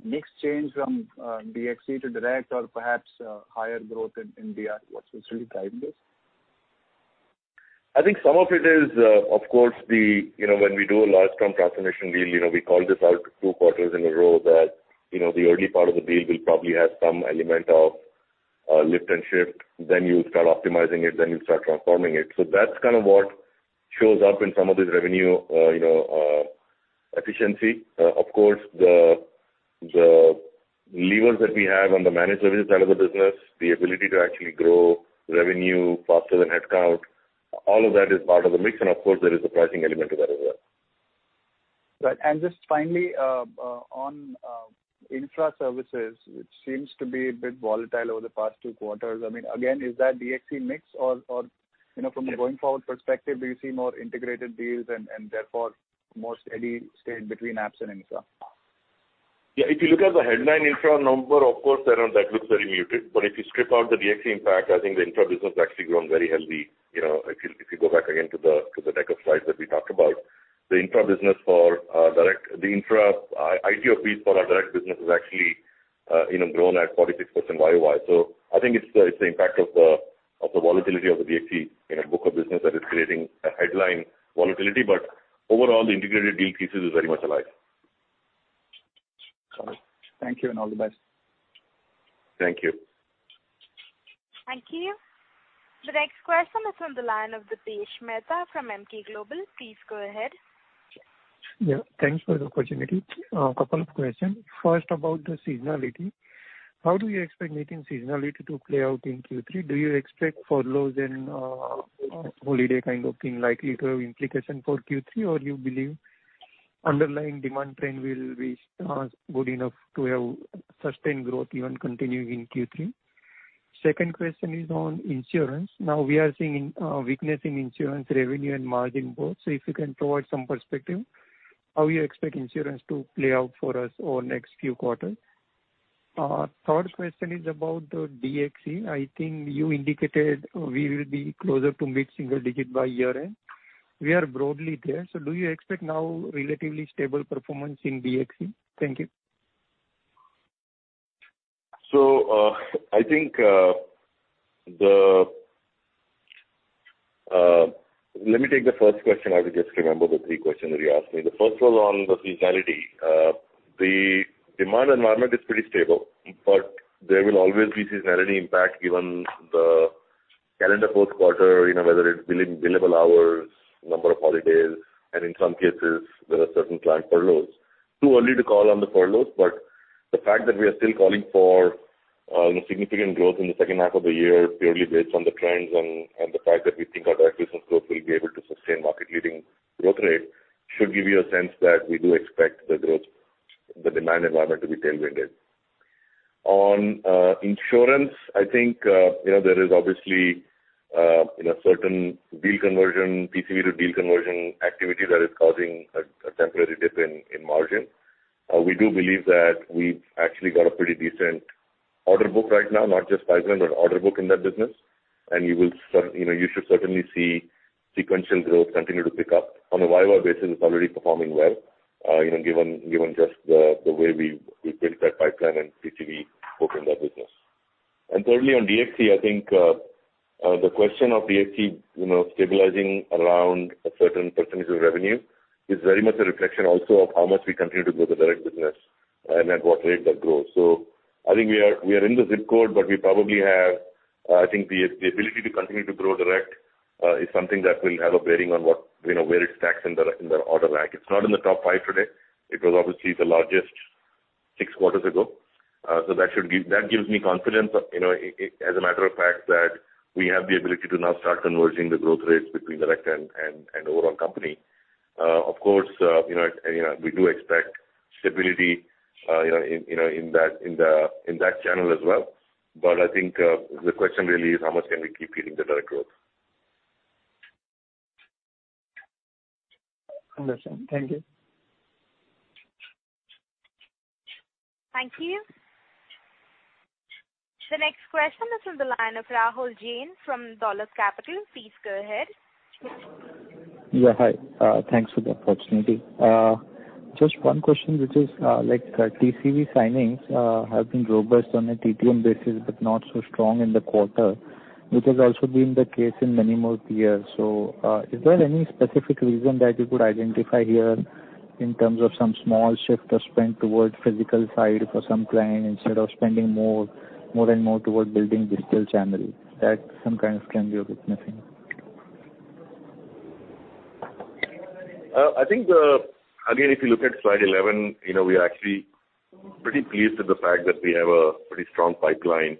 [SPEAKER 9] mix change from DXC to direct or perhaps higher growth in India? What's really driving this?
[SPEAKER 2] I think some of it is, of course, when we do a large term transformation deal, we called this out two quarters in a row that the early part of the deal will probably have some element of lift and shift. You'll start optimizing it, then you'll start transforming it. That's kind of what shows up in some of this revenue efficiency. Of course, the levers that we have on the managed services side of the business, the ability to actually grow revenue faster than headcount. All of that is part of the mix. Of course, there is a pricing element to that as well.
[SPEAKER 9] Right. Just finally, on infra services, which seems to be a bit volatile over the past two quarters. Again, is that DXC mix? From a going forward perspective, do you see more integrated deals and therefore more steady state between apps and infra?
[SPEAKER 2] Yeah, if you look at the headline infra number, of course, around that looks very muted. If you strip out the DXC impact, I think the infra business has actually grown very healthy. If you go back again to the deck of slides that we talked about. The infra business for the infra ITO for our Direct business has actually grown at 46% Y-o-Y. I think it's the impact of the volatility of the DXC in a book of business that is creating a headline volatility. Overall, the integrated deal thesis is very much alive.
[SPEAKER 9] Got it. Thank you, and all the best.
[SPEAKER 2] Thank you.
[SPEAKER 1] Thank you. The next question is on the line of Dipesh Mehta from Emkay Global. Please go ahead.
[SPEAKER 10] Thanks for the opportunity. two questions. First, about the seasonality. How do you expect meeting seasonality to play out in Q3? Do you expect furloughs and holiday kind of thing likely to have implications for Q3? You believe underlying demand trend will be good enough to have sustained growth even continuing in Q3? Second question is on insurance. Now we are witnessing insurance revenue and margin both. If you can provide some perspective, how you expect insurance to play out for us over next few quarters. Third question is about the DXC. I think you indicated we will be closer to mid-single digit by year-end. We are broadly there. Do you expect now relatively stable performance in DXC? Thank you.
[SPEAKER 2] I think let me take the first question. I will just remember the three questions that you asked me. First was on the seasonality. Demand environment is pretty stable, there will always be seasonality impact given the calendar 4th quarter, whether it's billable hours, number of holidays, and in some cases, there are certain client furloughs. Too early to call on the furloughs, the fact that we are still calling for significant growth in the 2nd half of the year, purely based on the trends and the fact that we think our acquisition scope will be able to sustain market-leading growth rate should give you a sense that we do expect the demand environment to be tailwinded. On insurance, I think there is obviously certain TCV to deal conversion activity that is causing a temporary dip in margin. We do believe that we've actually got a pretty decent order book right now, not just pipeline, but order book in that business. You should certainly see sequential growth continue to pick up. On a YOY basis, it's already performing well given just the way we built that pipeline and TCV booked in that business. Thirdly, on DXC, I think the question of DXC stabilizing around a certain percentage of revenue is very much a reflection also of how much we continue to grow the direct business and at what rate that grows. I think we are in the ZIP code, but I think the ability to continue to grow direct is something that will have a bearing on where it stacks in the order rack. It's not in the top five today. It was obviously the largest six quarters ago. That gives me confidence, as a matter of fact, that we have the ability to now start converging the growth rates between direct and overall company. Of course, we do expect stability in that channel as well. I think the question really is how much can we keep feeding the direct growth.
[SPEAKER 10] Understand. Thank you.
[SPEAKER 1] Thank you. The next question is on the line of Rahul Jain from Dolat Capital. Please go ahead.
[SPEAKER 11] Yeah. Hi. Thanks for the opportunity. Just one question, which is TCV signings have been robust on a TTM basis but not so strong in the quarter, which has also been the case in many more peers. Is there any specific reason that you could identify here in terms of some small shift of spend towards physical side for some client instead of spending more and more towards building digital channel? That some kind of trend we are witnessing.
[SPEAKER 2] I think, again, if you look at slide 11, we are actually pretty pleased with the fact that we have a pretty strong pipeline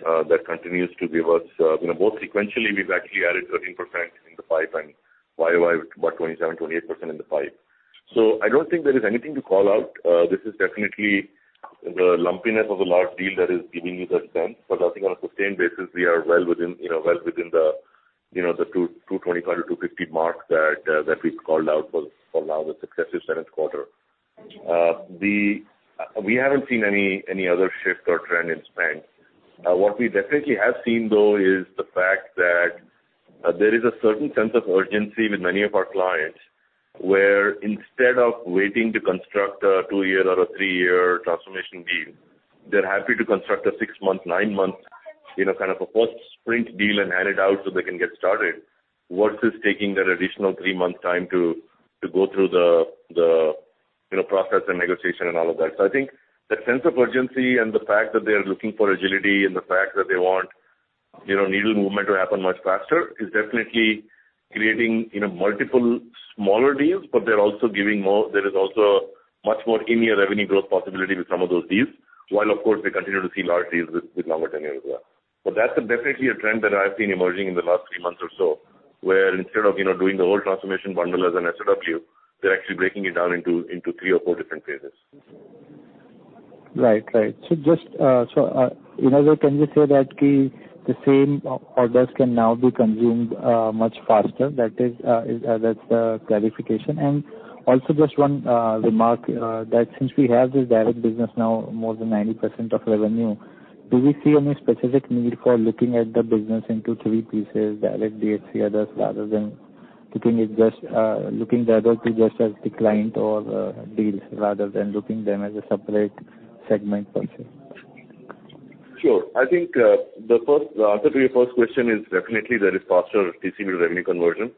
[SPEAKER 2] that continues to give us both sequentially, we've actually added 13% in the pipeline, YOY about 27%-28% in the pipe. I don't think there is anything to call out. This is definitely the lumpiness of a large deal that is giving you that sense. I think on a sustained basis, we are well within the INR 225 or 250 mark that we've called out for now the successive seventh quarter. We haven't seen any other shift or trend in spend. What we definitely have seen, though, is the fact that there is a certain sense of urgency with many of our clients, where instead of waiting to construct a two-year or a three-year transformation deal, they're happy to construct a six-month, nine-month kind of a post-sprint deal and hand it out so they can get started versus taking that additional three-month time to go through the process and negotiation and all of that. I think that sense of urgency and the fact that they are looking for agility and the fact that they want needle movement to happen much faster is definitely creating multiple smaller deals. There is also much more in-year revenue growth possibility with some of those deals. Of course, we continue to see large deals with longer tenure as well. That's definitely a trend that I've seen emerging in the last three months or so, where instead of doing the whole transformation bundle as an SOW, they're actually breaking it down into three or four different phases.
[SPEAKER 11] Right. In other words, can we say that the same orders can now be consumed much faster? That's the clarification. Also just one remark, that since we have this direct business now, more than 90% of revenue, do we see any specific need for looking at the business into three pieces, direct, DXC, others, rather than looking the other two just as the client or deals rather than looking them as a separate segment per se?
[SPEAKER 2] Sure. I think the answer to your first question is definitely there is faster TCV to revenue conversion.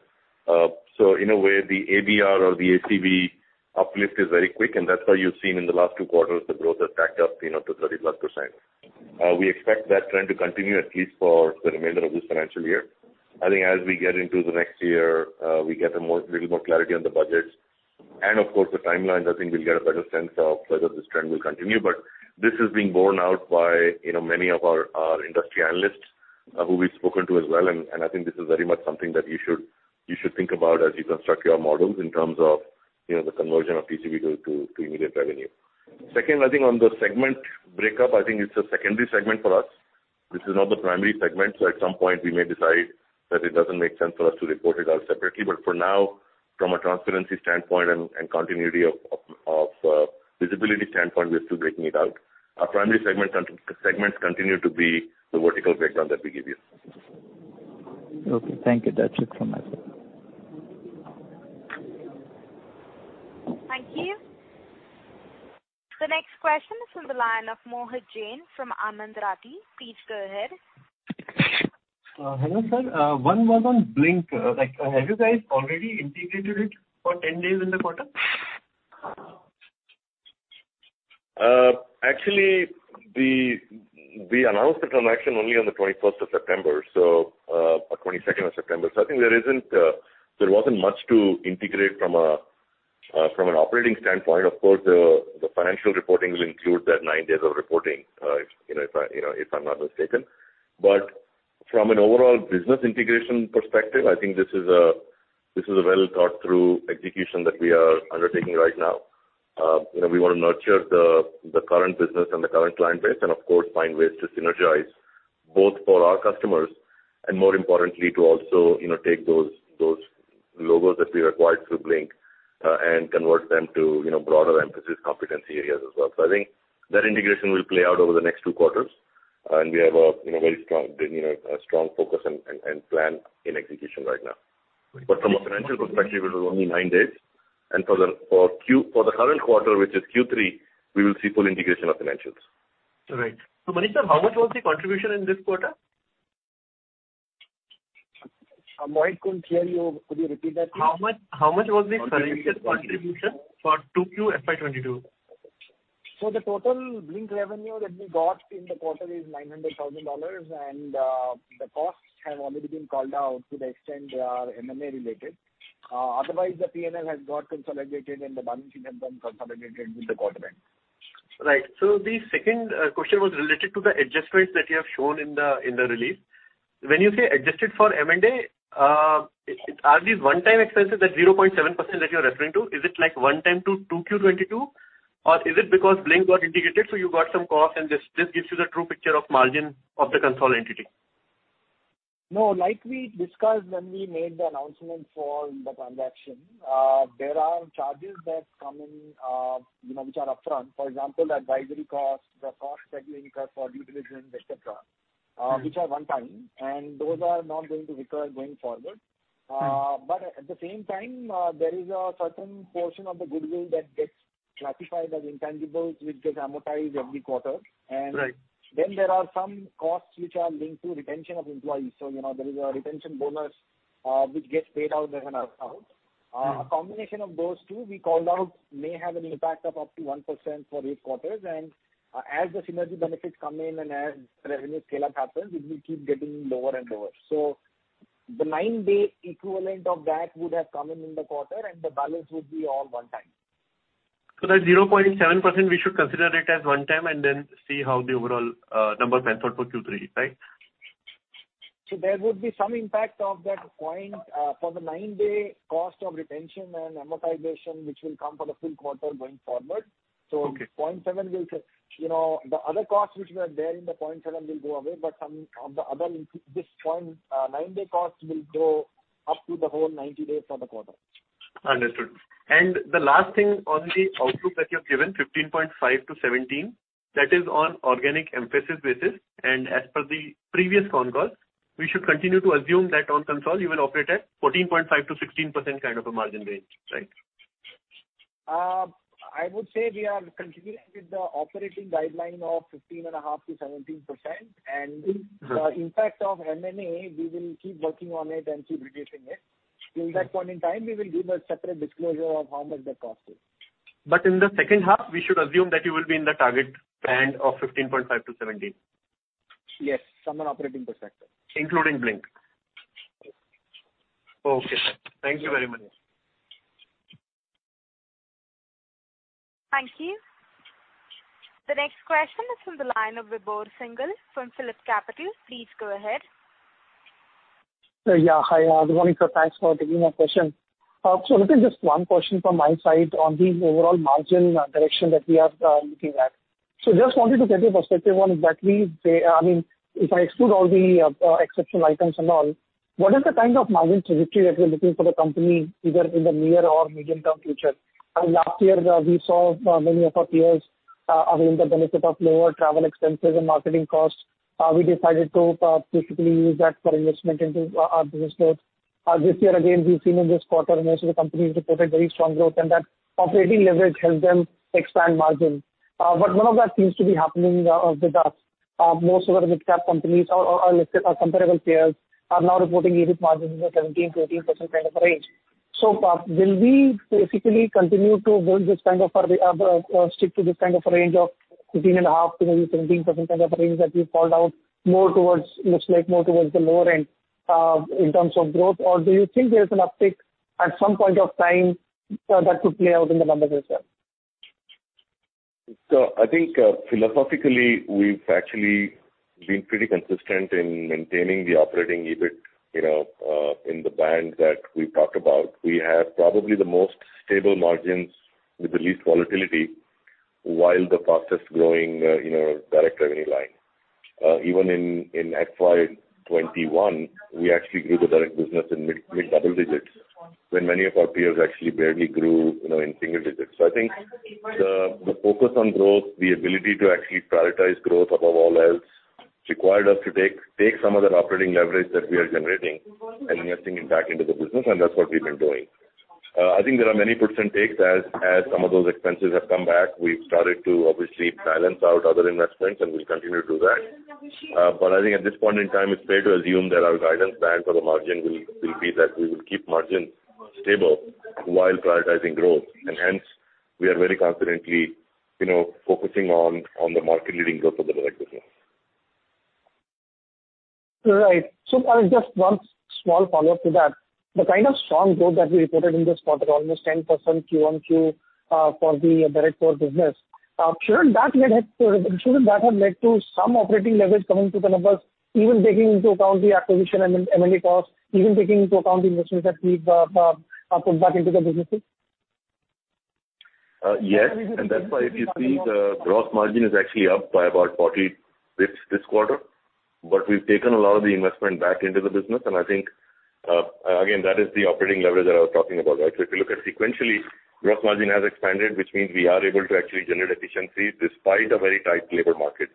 [SPEAKER 2] In a way, the ABR or the ACV uplift is very quick, and that's why you've seen in the last two quarters the growth has stacked up to 30%+. We expect that trend to continue at least for the remainder of this financial year. I think as we get into the next year, we get a little more clarity on the budgets and of course the timelines. I think we'll get a better sense of whether this trend will continue. This is being borne out by many of our industry analysts who we've spoken to as well. I think this is very much something that you should think about as you construct your models in terms of the conversion of TCV to immediate revenue. Second, I think on the segment breakup, I think it's a secondary segment for us. This is not the primary segment. At some point we may decide that it doesn't make sense for us to report it out separately. For now, from a transparency standpoint and continuity of visibility standpoint, we're still breaking it out. Our primary segments continue to be the vertical breakdown that we give you.
[SPEAKER 11] Okay. Thank you. That's it from my side.
[SPEAKER 1] Thank you. The next question is from the line of Mohit Jain from Anand Rathi. Please go ahead.
[SPEAKER 12] Hello, sir. One more on Blink. Have you guys already integrated it for 10 days in the quarter?
[SPEAKER 2] Actually, we announced the transaction only on the 21st of September, or 22nd of September. I think there wasn't much to integrate from an operating standpoint. Of course, the financial reporting will include that nine days of reporting, if I'm not mistaken. From an overall business integration perspective, I think this is a well-thought-through execution that we are undertaking right now. We want to nurture the current business and the current client base and of course, find ways to synergize both for our customers and more importantly, to also take those logos that we acquired through Blink and convert them to broader Mphasis competency areas as well. I think that integration will play out over the next two quarters, and we have a very strong focus and plan in execution right now. From a financial perspective, it was only nine days, and for the current quarter, which is Q3, we will see full integration of financials.
[SPEAKER 12] Right. Manish, sir, how much was the contribution in this quarter?
[SPEAKER 6] Mohit, couldn't hear you. Could you repeat that, please?
[SPEAKER 12] How much was the consolidated contribution for 2Q FY 2022?
[SPEAKER 6] The total Blink revenue that we got in the quarter is $900,000 and the costs have already been called out to the extent they are M&A related. Otherwise, the P&L has got consolidated and the balancing has been consolidated with the quarter end.
[SPEAKER 12] Right. The second question was related to the adjustments that you have shown in the release. When you say adjusted for M&A, are these one-time expenses, that 0.7% that you're referring to, is it like one time to 2Q22, or is it because Blink got integrated, so you got some costs and this gives you the true picture of margin of the consolidated entity?
[SPEAKER 6] No. Like we discussed when we made the announcement for the transaction, there are charges that come in which are upfront. For example, the advisory costs, the costs that you incur for due diligence, et cetera, which are one time, those are not going to recur going forward. At the same time, there is a certain portion of the goodwill that gets classified as intangibles, which gets amortized every quarter.
[SPEAKER 12] Right.
[SPEAKER 6] There are some costs which are linked to retention of employees. There is a retention bonus which gets paid out as an upfront. A combination of those two, we called out, may have an impact of up to 1% for eight quarters, and as the synergy benefits come in and as revenue scale-up happens, it will keep getting lower and lower. The nine-day equivalent of that would have come in in the quarter, and the balance would be all one time.
[SPEAKER 12] That 0.7%, we should consider it as one time and then see how the overall numbers pan out for Q3, right?
[SPEAKER 6] There would be some impact of that point for the nine-day cost of retention and amortization, which will come for the full quarter going forward.
[SPEAKER 12] Okay.
[SPEAKER 6] The other costs which were there in the 0.7 will go away, but some of the other nine-day costs will grow up to the whole 90 days for the quarter.
[SPEAKER 12] Understood. The last thing on the outlook that you have given, 15.5%-17%, that is on organic Mphasis basis. As per the previous con call, we should continue to assume that on console you will operate at 14.5%-16% kind of a margin range, right?
[SPEAKER 6] I would say we are continuing with the operating guideline of 15.5% - 17%. The impact of M&A, we will keep working on it and keep reducing it. Till that point in time, we will give a separate disclosure of how much that cost is.
[SPEAKER 12] In the second half, we should assume that you will be in the target band of 15.5%-17%?
[SPEAKER 6] Yes, from an operating perspective.
[SPEAKER 12] Including Blink? Okay, sir. Thank you very much.
[SPEAKER 1] Thank you. The next question is from the line of Vibhor Singhal from PhillipCapital. Please go ahead.
[SPEAKER 13] Yeah. Hi, good morning, sir. Thanks for taking my question. Looking at just one question from my side on the overall margin direction that we are looking at. Just wanted to get your perspective on exactly, if I exclude all the exceptional items and all, what is the kind of margin trajectory that you're looking for the company, either in the near or medium-term future? Last year, we saw many of our peers availing the benefit of lower travel expenses and marketing costs. We decided to basically use that for investment into our business growth. This year again, we've seen in this quarter most of the companies reported very strong growth, and that operating leverage helped them expand margin. None of that seems to be happening with us. Most of our midcap companies or comparable peers are now reporting EBIT margins in the 17%-18% kind of a range. Will we basically continue to hold this kind of, or stick to this kind of range of 15.5%-17% kind of a range that you called out, more towards the lower end in terms of growth, or do you think there is an uptick at some point of time that could play out in the numbers as well?
[SPEAKER 2] I think philosophically, we've actually been pretty consistent in maintaining the operating EBIT in the band that we talked about. We have probably the most stable margins with the least volatility, while the fastest-growing direct revenue line. Even in FY 2021, we actually grew the direct business in mid-double digits when many of our peers actually barely grew in single digits. I think the focus on growth, the ability to actually prioritize growth above all else required us to take some of that operating leverage that we are generating and investing it back into the business, and that's what we've been doing. I think there are many puts and takes as some of those expenses have come back. We've started to obviously balance out other investments, and we'll continue to do that. I think at this point in time, it's fair to assume that our guidance plan for the margin will be that we will keep margin stable while prioritizing growth. Hence, we are very confidently focusing on the market-leading growth of the direct business.
[SPEAKER 13] Right. Parag, just one small follow-up to that. The kind of strong growth that we reported in this quarter, almost 10% QOQ for the direct core business, shouldn't that have led to some operating leverage coming to the numbers, even taking into account the acquisition and M&A costs, even taking into account the investments that we've put back into the businesses?
[SPEAKER 2] Yes. That's why if you see the gross margin is actually up by about 40 basis points this quarter. We've taken a lot of the investment back into the business, and I think, again, that is the operating leverage that I was talking about. If you look at sequentially, gross margin has expanded, which means we are able to actually generate efficiencies despite a very tight labor market.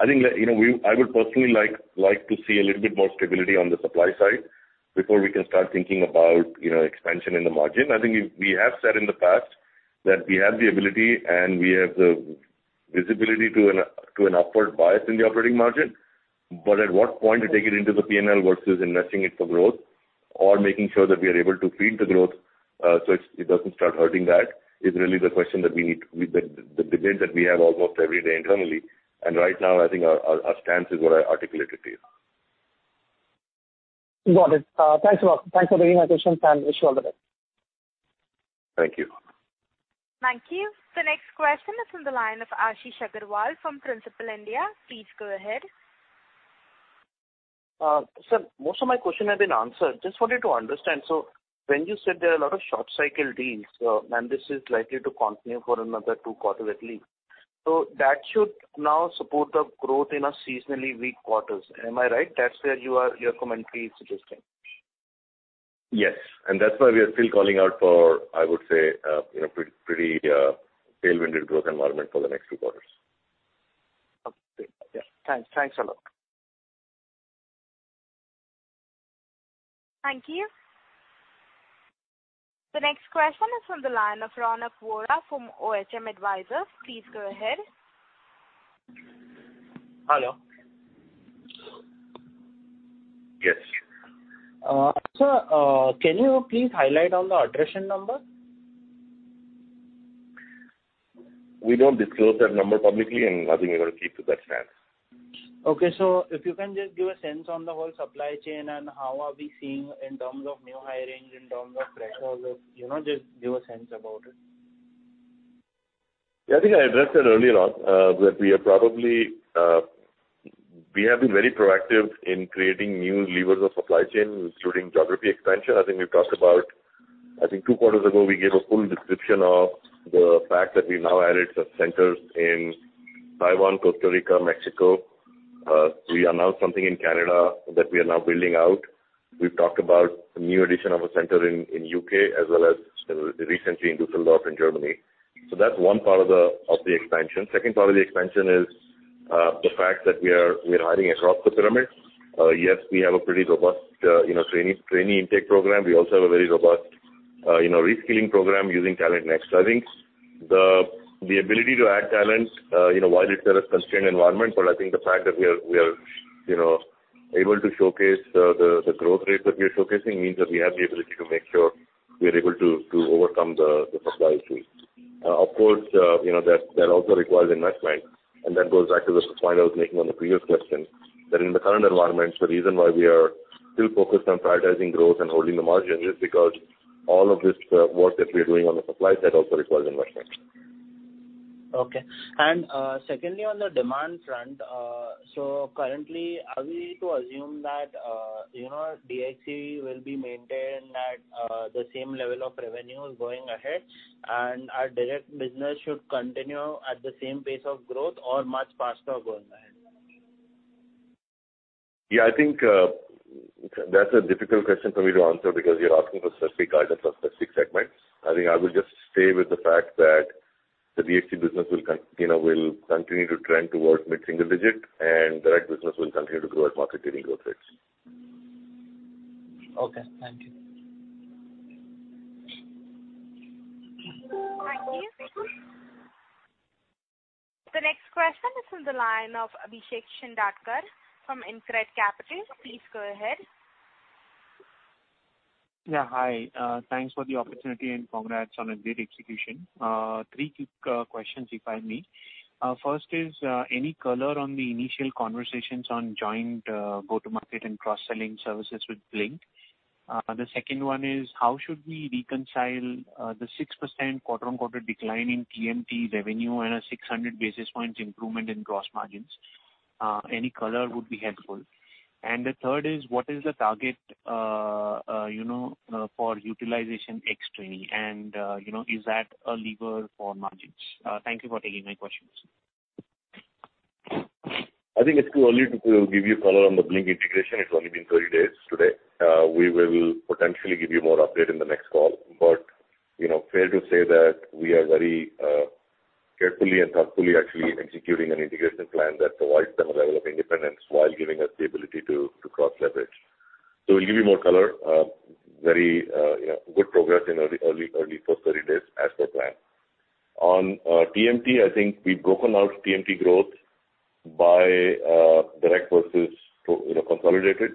[SPEAKER 2] I would personally like to see a little bit more stability on the supply side before we can start thinking about expansion in the margin. I think we have said in the past that we have the ability and we have the visibility to an upward bias in the operating margin. At what point to take it into the P&L versus investing it for growth or making sure that we are able to feed the growth so it doesn't start hurting, that is really the debate that we have almost every day internally. Right now, I think our stance is what I articulated to you.
[SPEAKER 13] Got it. Thanks a lot. Thanks for taking my questions. Wish you all the best.
[SPEAKER 2] Thank you.
[SPEAKER 1] Thank you. The next question is on the line of Ashish Agrawal from Principal India. Please go ahead.
[SPEAKER 14] Sir, most of my question has been answered. Just wanted to understand, when you said there are a lot of short cycle deals, and this is likely to continue for another two quarters at least, that should now support the growth in our seasonally weak quarters. Am I right? That's where your commentary is suggesting.
[SPEAKER 2] Yes. That's why we are still calling out for, I would say, a pretty tailwinded growth environment for the next two quarters.
[SPEAKER 14] Okay. Great. Yeah. Thanks a lot.
[SPEAKER 1] Thank you. The next question is from the line of Ronak Vora from Ronak Vora from OHM Advisors. Please go ahead.
[SPEAKER 15] Hello.
[SPEAKER 2] Yes.
[SPEAKER 15] Sir, can you please highlight on the attrition number?
[SPEAKER 2] We don't disclose that number publicly, and I think we're going to keep to that stance.
[SPEAKER 15] Okay. If you can just give a sense on the whole supply chain and how are we seeing in terms of new hiring, in terms of pressure. Just give a sense about it.
[SPEAKER 2] Yeah, I think I addressed that earlier on, that we have been very proactive in creating new levers of supply chain, including geography expansion. I think we've talked about, I think two quarters ago, we gave a full description of the fact that we've now added some centers in Taiwan, Costa Rica, Mexico. We announced something in Canada that we are now building out. We've talked about the new addition of a center in U.K. as well as recently in Düsseldorf in Germany. That's one part of the expansion. Second part of the expansion is the fact that we are hiring across the pyramid. Yes, we have a pretty robust trainee intake program. We also have a very robust reskilling program using TalentNext. I think the ability to add talent, while it's in a constrained environment, but I think the fact that we are able to showcase the growth rate that we are showcasing means that we have the ability to make sure we are able to overcome the supply issue. Of course, that also requires investment. That goes back to the point I was making on the previous question, that in the current environment, the reason why we are still focused on prioritizing growth and holding the margin is because all of this work that we're doing on the supply side also requires investment.
[SPEAKER 15] Okay. Secondly, on the demand front, currently, are we to assume that DXC will be maintained at the same level of revenues going ahead? Our direct business should continue at the same pace of growth or much faster going ahead?
[SPEAKER 2] Yeah, I think that's a difficult question for me to answer because you're asking for specific guidance on specific segments. I think I would just stay with the fact that the DXC business will continue to trend towards mid-single digit, and direct business will continue to grow at market-leading growth rates.
[SPEAKER 15] Okay. Thank you.
[SPEAKER 1] The next question is on the line of Abhishek Shindadkar from InCred Capital. Please go ahead.
[SPEAKER 16] Yeah, hi. Thanks for the opportunity and congrats on a great execution. three quick questions, if I may. First is, any color on the initial conversations on joint go-to-market and cross-selling services with Blink? The second one is, how should we reconcile the 6% quarter-over-quarter decline in TMT revenue and a 600 basis points improvement in gross margins? Any color would be helpful. The 3rd is, what is the target for utilization ex-trainee? Is that a lever for margins? Thank you for taking my questions.
[SPEAKER 2] I think it's too early to give you color on the Blink integration. It's only been 30 days today. We will potentially give you more update in the next call. Fair to say that we are very carefully and thoughtfully actually executing an integration plan that provides them a level of independence while giving us the ability to cross-leverage. We'll give you more color. Very good progress in early first 30 days as per plan. On TMT, I think we've broken out TMT growth by direct versus consolidated.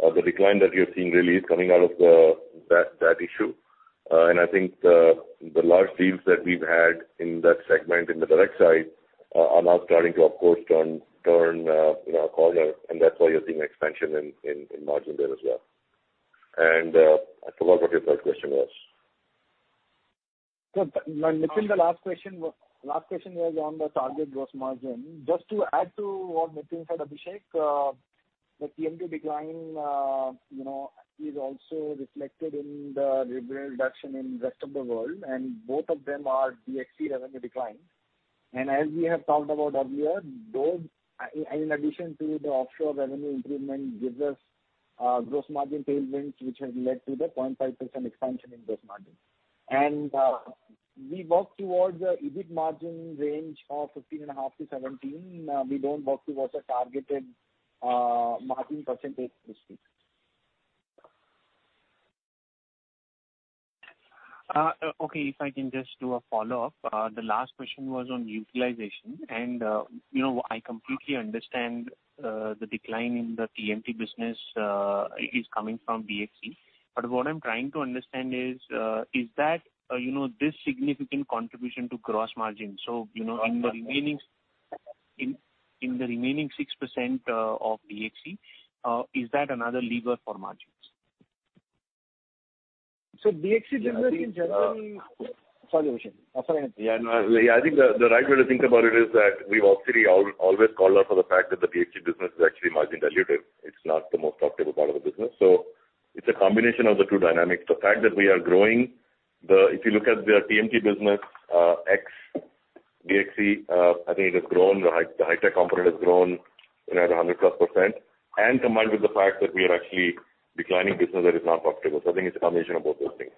[SPEAKER 2] The decline that you're seeing really is coming out of that issue. I think the large deals that we've had in that segment in the direct side are now starting to, of course, turn corner, and that's why you're seeing expansion in margin there as well. I forgot what your third question was.
[SPEAKER 6] Nitin, the last question was on the target gross margin. Just to add to what Nitin said, Abhishek, the TMT decline is also reflected in the revenue reduction in rest of the world, both of them are DXC revenue decline. As we have talked about earlier, in addition to the offshore revenue improvement gives us gross margin tailwinds, which has led to the 0.5% expansion in gross margin. We work towards an EBIT margin range of 15.5%-17%. We don't work towards a targeted margin percentage this year.
[SPEAKER 16] Okay. If I can just do a follow-up. The last question was on utilization. I completely understand the decline in the TMT business is coming from DXC. What I'm trying to understand is this significant contribution to gross margin. In the remaining 6% of DXC, is that another lever for margins?
[SPEAKER 6] DXC Sorry, Abhishek. Sorry.
[SPEAKER 2] No. I think the right way to think about it is that we've obviously always called out for the fact that the DXC business is actually margin dilutive. It's not the most profitable part of the business. It's a combination of the two dynamics. The fact that we are growing the If you look at their TMT business ex DXC, I think it has grown. The high tech component has grown at 100%+. Combined with the fact that we are actually declining business that is not profitable. I think it's a combination of both those things.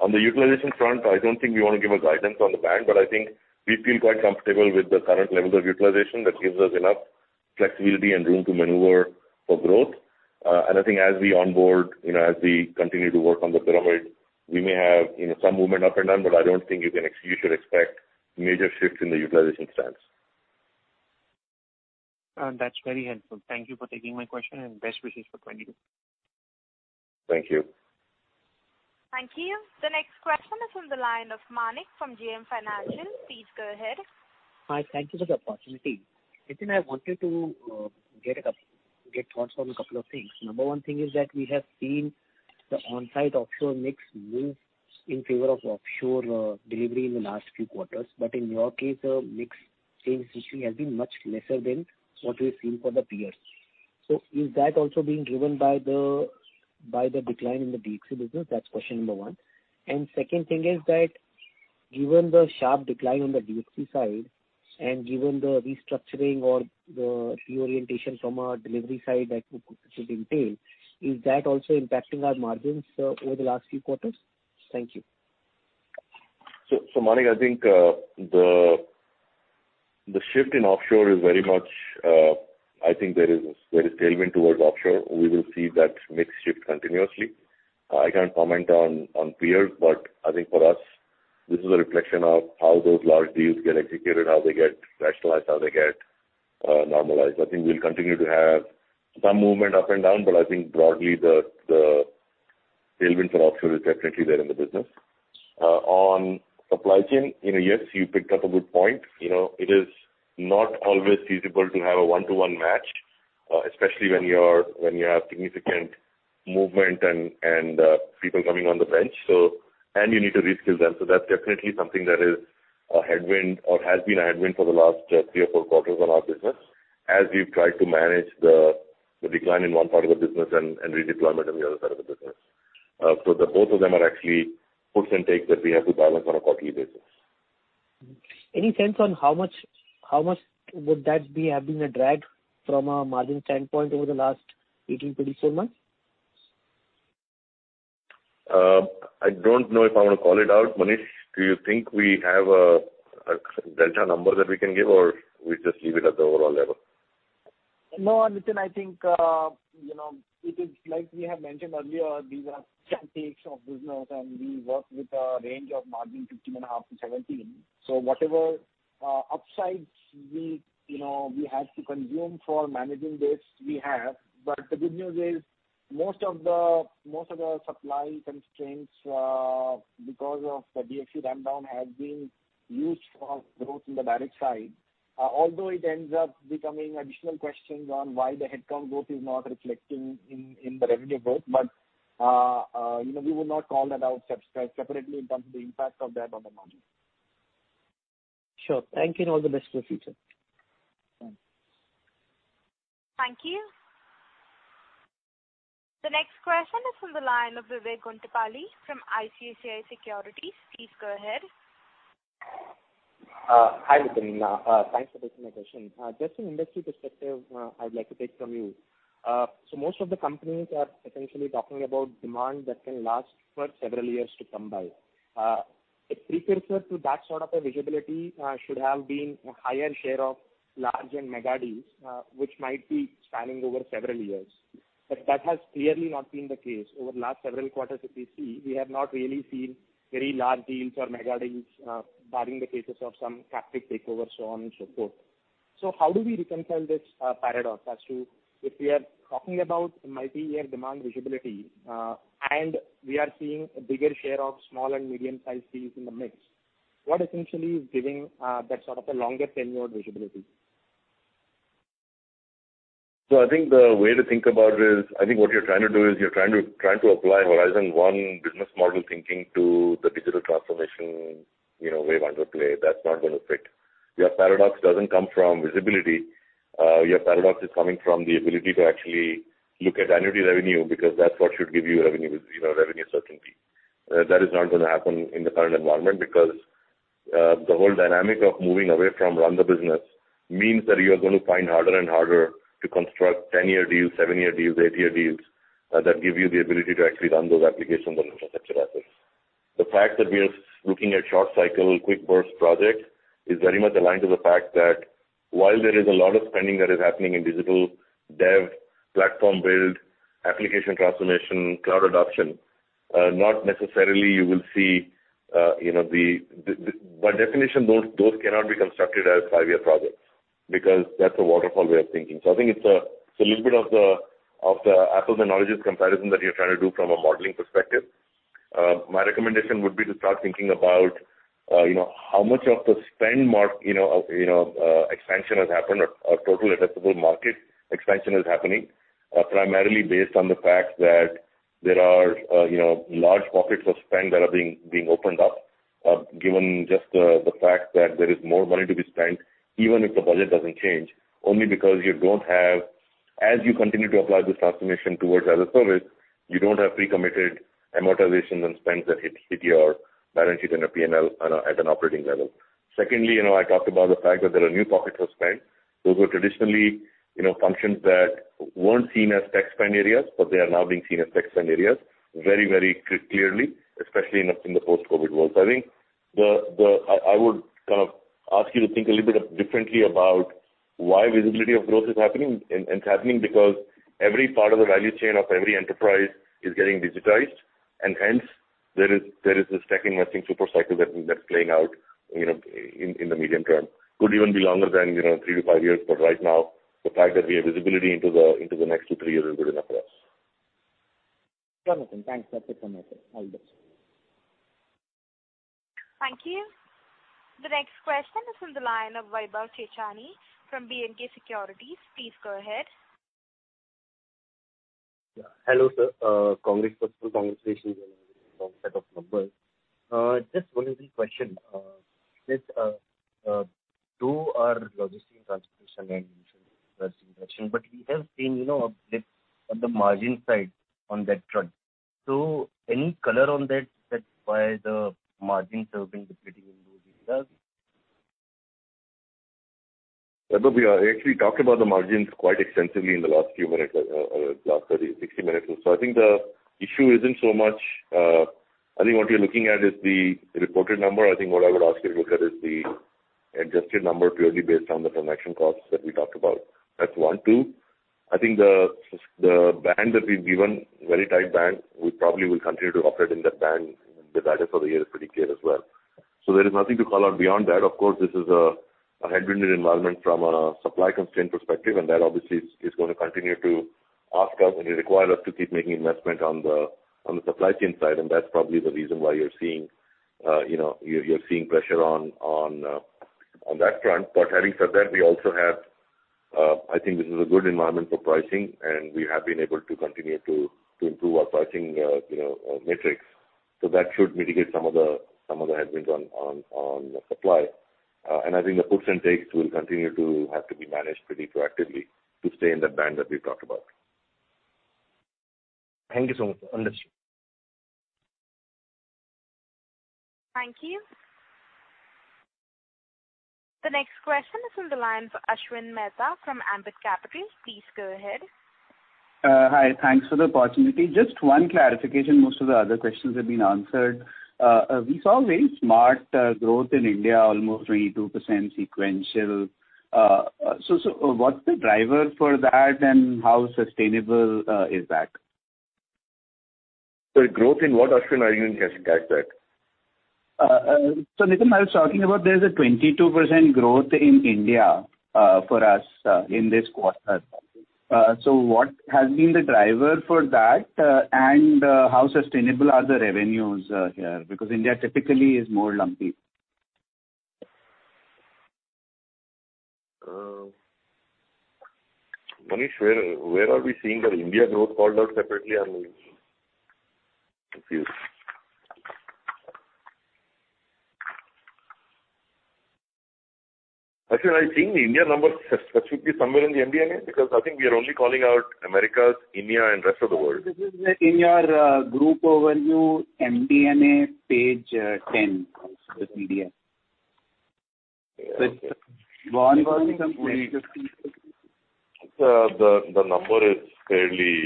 [SPEAKER 2] On the utilization front, I don't think we want to give a guidance on the bank, but I think we feel quite comfortable with the current levels of utilization that gives us enough flexibility and room to maneuver for growth. I think as we onboard, as we continue to work on the pyramid, we may have some movement up and down, but I don't think you should expect major shifts in the utilization stance.
[SPEAKER 16] That's very helpful. Thank you for taking my question and best wishes for 2022.
[SPEAKER 2] Thank you.
[SPEAKER 1] Thank you. The next question is on the line of Manik from JM Financial. Please go ahead.
[SPEAKER 17] Hi, thank you for the opportunity. Nitin, I wanted to get thoughts on a couple of things. Number one thing is that we have seen the on-site offshore mix move in favor of offshore delivery in the last few quarters. In your case, the mix change history has been much lesser than what we've seen for the peers. Is that also being driven by the decline in the DXC business? That's question number one. Second thing is that given the sharp decline on the DXC side and given the restructuring or the reorientation from a delivery side that could entail, is that also impacting our margins over the last few quarters? Thank you.
[SPEAKER 2] Manik, I think the shift in offshore is very much I think there is tailwind towards offshore. We will see that mix shift continuously. I can't comment on peers, but I think for us, this is a reflection of how those large deals get executed, how they get rationalized, how they get normalized. I think we'll continue to have some movement up and down, but I think broadly, the tailwind for offshore is definitely there in the business. On supply chain, yes, you picked up a good point. It is not always feasible to have a one-to-one match, especially when you have significant movement and people coming on the bench. You need to reskill them. That's definitely something that is a headwind or has been a headwind for the last three or fpur quarters on our business as we've tried to manage the decline in one part of the business and redeployment on the other side of the business. The both of them are actually puts and takes that we have to balance on a quarterly basis.
[SPEAKER 17] Any sense on how much would that be having a drag from a margin standpoint over the last 18 - 24 months?
[SPEAKER 2] I don't know if I want to call it out. Manish, do you think we have a delta number that we can give or we just leave it at the overall level?
[SPEAKER 6] Nitin, I think, it is like we have mentioned earlier, these are antiques of business, and we work with a range of margin 15.5% - 17%. Whatever upsides we had to consume for managing this, we have. The good news is most of the supply constraints because of the DXC rundown has been used for growth in the direct side. Although it ends up becoming additional questions on why the headcount growth is not reflecting in the revenue growth. We would not call that out separately in terms of the impact of that on the margin.
[SPEAKER 17] Sure. Thank you. All the best for future.
[SPEAKER 1] Thank you. The next question is from the line of Sudheer Guntupalli from ICICI Securities. Please go ahead.
[SPEAKER 18] Hi, Nitin. Thanks for taking my question. Just an industry perspective I'd like to take from you. Most of the companies are essentially talking about demand that can last for several years to come by. A precursor to that sort of a visibility should have been a higher share of large and mega deals, which might be spanning over several years. That has clearly not been the case. Over the last several quarters that we see, we have not really seen very large deals or mega deals, barring the cases of some tactic takeovers, so on and so forth. How do we reconcile this paradox as to, if we are talking about multi-year demand visibility, and we are seeing a bigger share of small and medium sized deals in the mix. What essentially is giving that sort of a longer tenure visibility?
[SPEAKER 2] I think the way to think about it is, I think what you're trying to do is you're trying to apply Horizon One business model thinking to the digital transformation wave under play. That's not going to fit. Your paradox doesn't come from visibility. Your paradox is coming from the ability to actually look at annuity revenue because that's what should give you revenue certainty. That is not going to happen in the current environment because the whole dynamic of moving away from run the business means that you are going to find harder and harder to construct 10-year deals, seven-year deals, eight-year deals that give you the ability to actually run those applications on infrastructure assets. The fact that we are looking at short cycle, quick burst projects is very much aligned to the fact that while there is a lot of spending that is happening in digital dev, platform build, application transformation, cloud adoption, by definition, those cannot be constructed as five-year projects because that's a waterfall way of thinking. I think it's a little bit of the apples and oranges comparison that you're trying to do from a modeling perspective. My recommendation would be to start thinking about how much of the spend expansion has happened or total addressable market expansion is happening, primarily based on the fact that there are large pockets of spend that are being opened up. Given just the fact that there is more money to be spent even if the budget doesn't change, only because as you continue to apply this transformation towards as a service, you don't have pre-committed amortizations and spends that hit your balances in a P&L at an operating level. Secondly, I talked about the fact that there are new pockets of spend. Those were traditionally functions that weren't seen as tech spend areas, but they are now being seen as tech spend areas very clearly, especially in the post-COVID world. I would ask you to think a little bit differently about why visibility of growth is happening. It's happening because every part of the value chain of every enterprise is getting digitized, and hence there is this tech investing super cycle that's playing out in the medium term. Could even be longer than three years - five years. Right now, the fact that we have visibility into the next two years, 3 years is good enough for us.
[SPEAKER 18] Sure, Nitin. Thanks. That's it from my side. All the best.
[SPEAKER 1] Thank you. The next question is on the line of Vaibhav Chechani from BNK Securities. Please go ahead.
[SPEAKER 19] Hello, sir. Congratulations on the set of numbers. Just one or two questions. Nitin, two are logistic transportation and but we have seen a blip on the margin side on that front. Any color on that's why the margins have been depleting in those areas?
[SPEAKER 2] Vaibhav, we actually talked about the margins quite extensively in the last 30 minutes, 60 minutes or so. I think what you're looking at is the reported number. I think what I would ask you to look at is the adjusted number purely based on the transaction costs that we talked about. That's one. Two, I think the band that we've given, very tight band, we probably will continue to operate in that band. The guidance for the year is pretty clear as well. There is nothing to call out beyond that. Of course, this is a headwinded environment from a supply constraint perspective, and that obviously is going to continue to ask us and require us to keep making investment on the supply chain side, and that's probably the reason why you're seeing pressure on that front. Having said that, I think this is a good environment for pricing, and we have been able to continue to improve our pricing metrics. That should mitigate some of the headwinds on supply. I think the puts and takes will continue to have to be managed pretty proactively to stay in that band that we've talked about.
[SPEAKER 19] Thank you so much. Understood.
[SPEAKER 1] Thank you. The next question is on the line for Ashwin Mehta from Ambit Capital. Please go ahead.
[SPEAKER 20] Hi. Thanks for the opportunity. Just one clarification. Most of the other questions have been answered. We saw very smart growth in India, almost 22% sequential. What's the driver for that and how sustainable is that?
[SPEAKER 2] Sorry, growth in what, Ashwin, are you indicating at?
[SPEAKER 20] Nitin, I was talking about there's a 22% growth in India for us in this quarter. What has been the driver for that and how sustainable are the revenues here? India typically is more lumpy.
[SPEAKER 2] Manish, where are we seeing the India growth called out separately? I'm confused. Ashwin, I think the India numbers should be somewhere in the MD&A because I think we are only calling out Americas, India, and rest of the world.
[SPEAKER 20] This is in your group overview MD&A page 10, the PDF.
[SPEAKER 2] Yeah.
[SPEAKER 20] With volume going up by 16%.
[SPEAKER 2] The number is fairly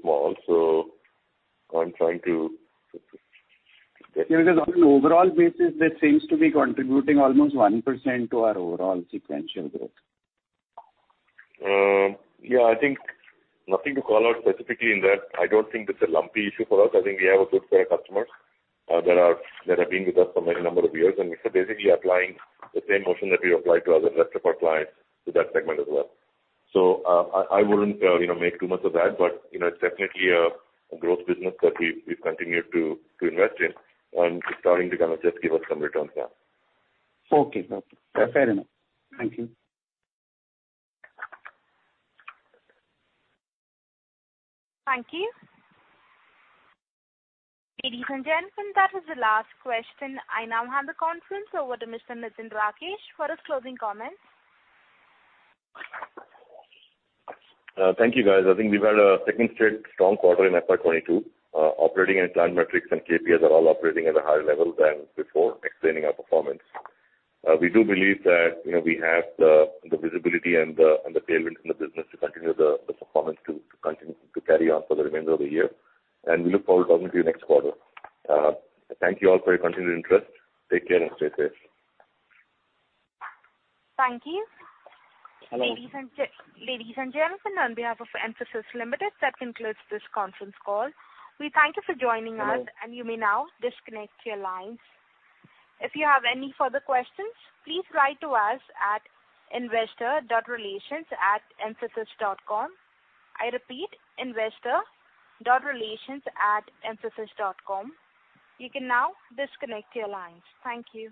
[SPEAKER 2] small.
[SPEAKER 20] Yeah, because on an overall basis, that seems to be contributing almost 1% to our overall sequential growth.
[SPEAKER 2] Yeah, I think nothing to call out specifically in that. I don't think this is a lumpy issue for us. I think we have a good set of customers that have been with us for many number of years, we are basically applying the same motion that we applied to other rest of our clients to that segment as well. I wouldn't make too much of that. It's definitely a growth business that we've continued to invest in, and it's starting to kind of just give us some returns now.
[SPEAKER 20] Okay. Fair enough. Thank you.
[SPEAKER 1] Thank you. Ladies and gentlemen, that is the last question. I now hand the conference over to Mr. Nitin Rakesh for his closing comments.
[SPEAKER 2] Thank you, guys. I think we've had a second straight strong quarter in FY 2022. Operating and planned metrics and KPIs are all operating at a higher level than before, explaining our performance. We do believe that we have the visibility and the tailwind in the business to continue the performance to carry on for the remainder of the year, and we look forward to talking to you next quarter. Thank you all for your continued interest. Take care and stay safe.
[SPEAKER 1] Thank you.
[SPEAKER 20] Hello.
[SPEAKER 1] Ladies and gentlemen, on behalf of Mphasis Limited, that concludes this conference call. We thank you for joining us-
[SPEAKER 20] Hello
[SPEAKER 1] You may now disconnect your lines. If you have any further questions, please write to us at investor.relations@mphasis.com. I repeat, investor.relations@mphasis.com. You can now disconnect your lines. Thank you.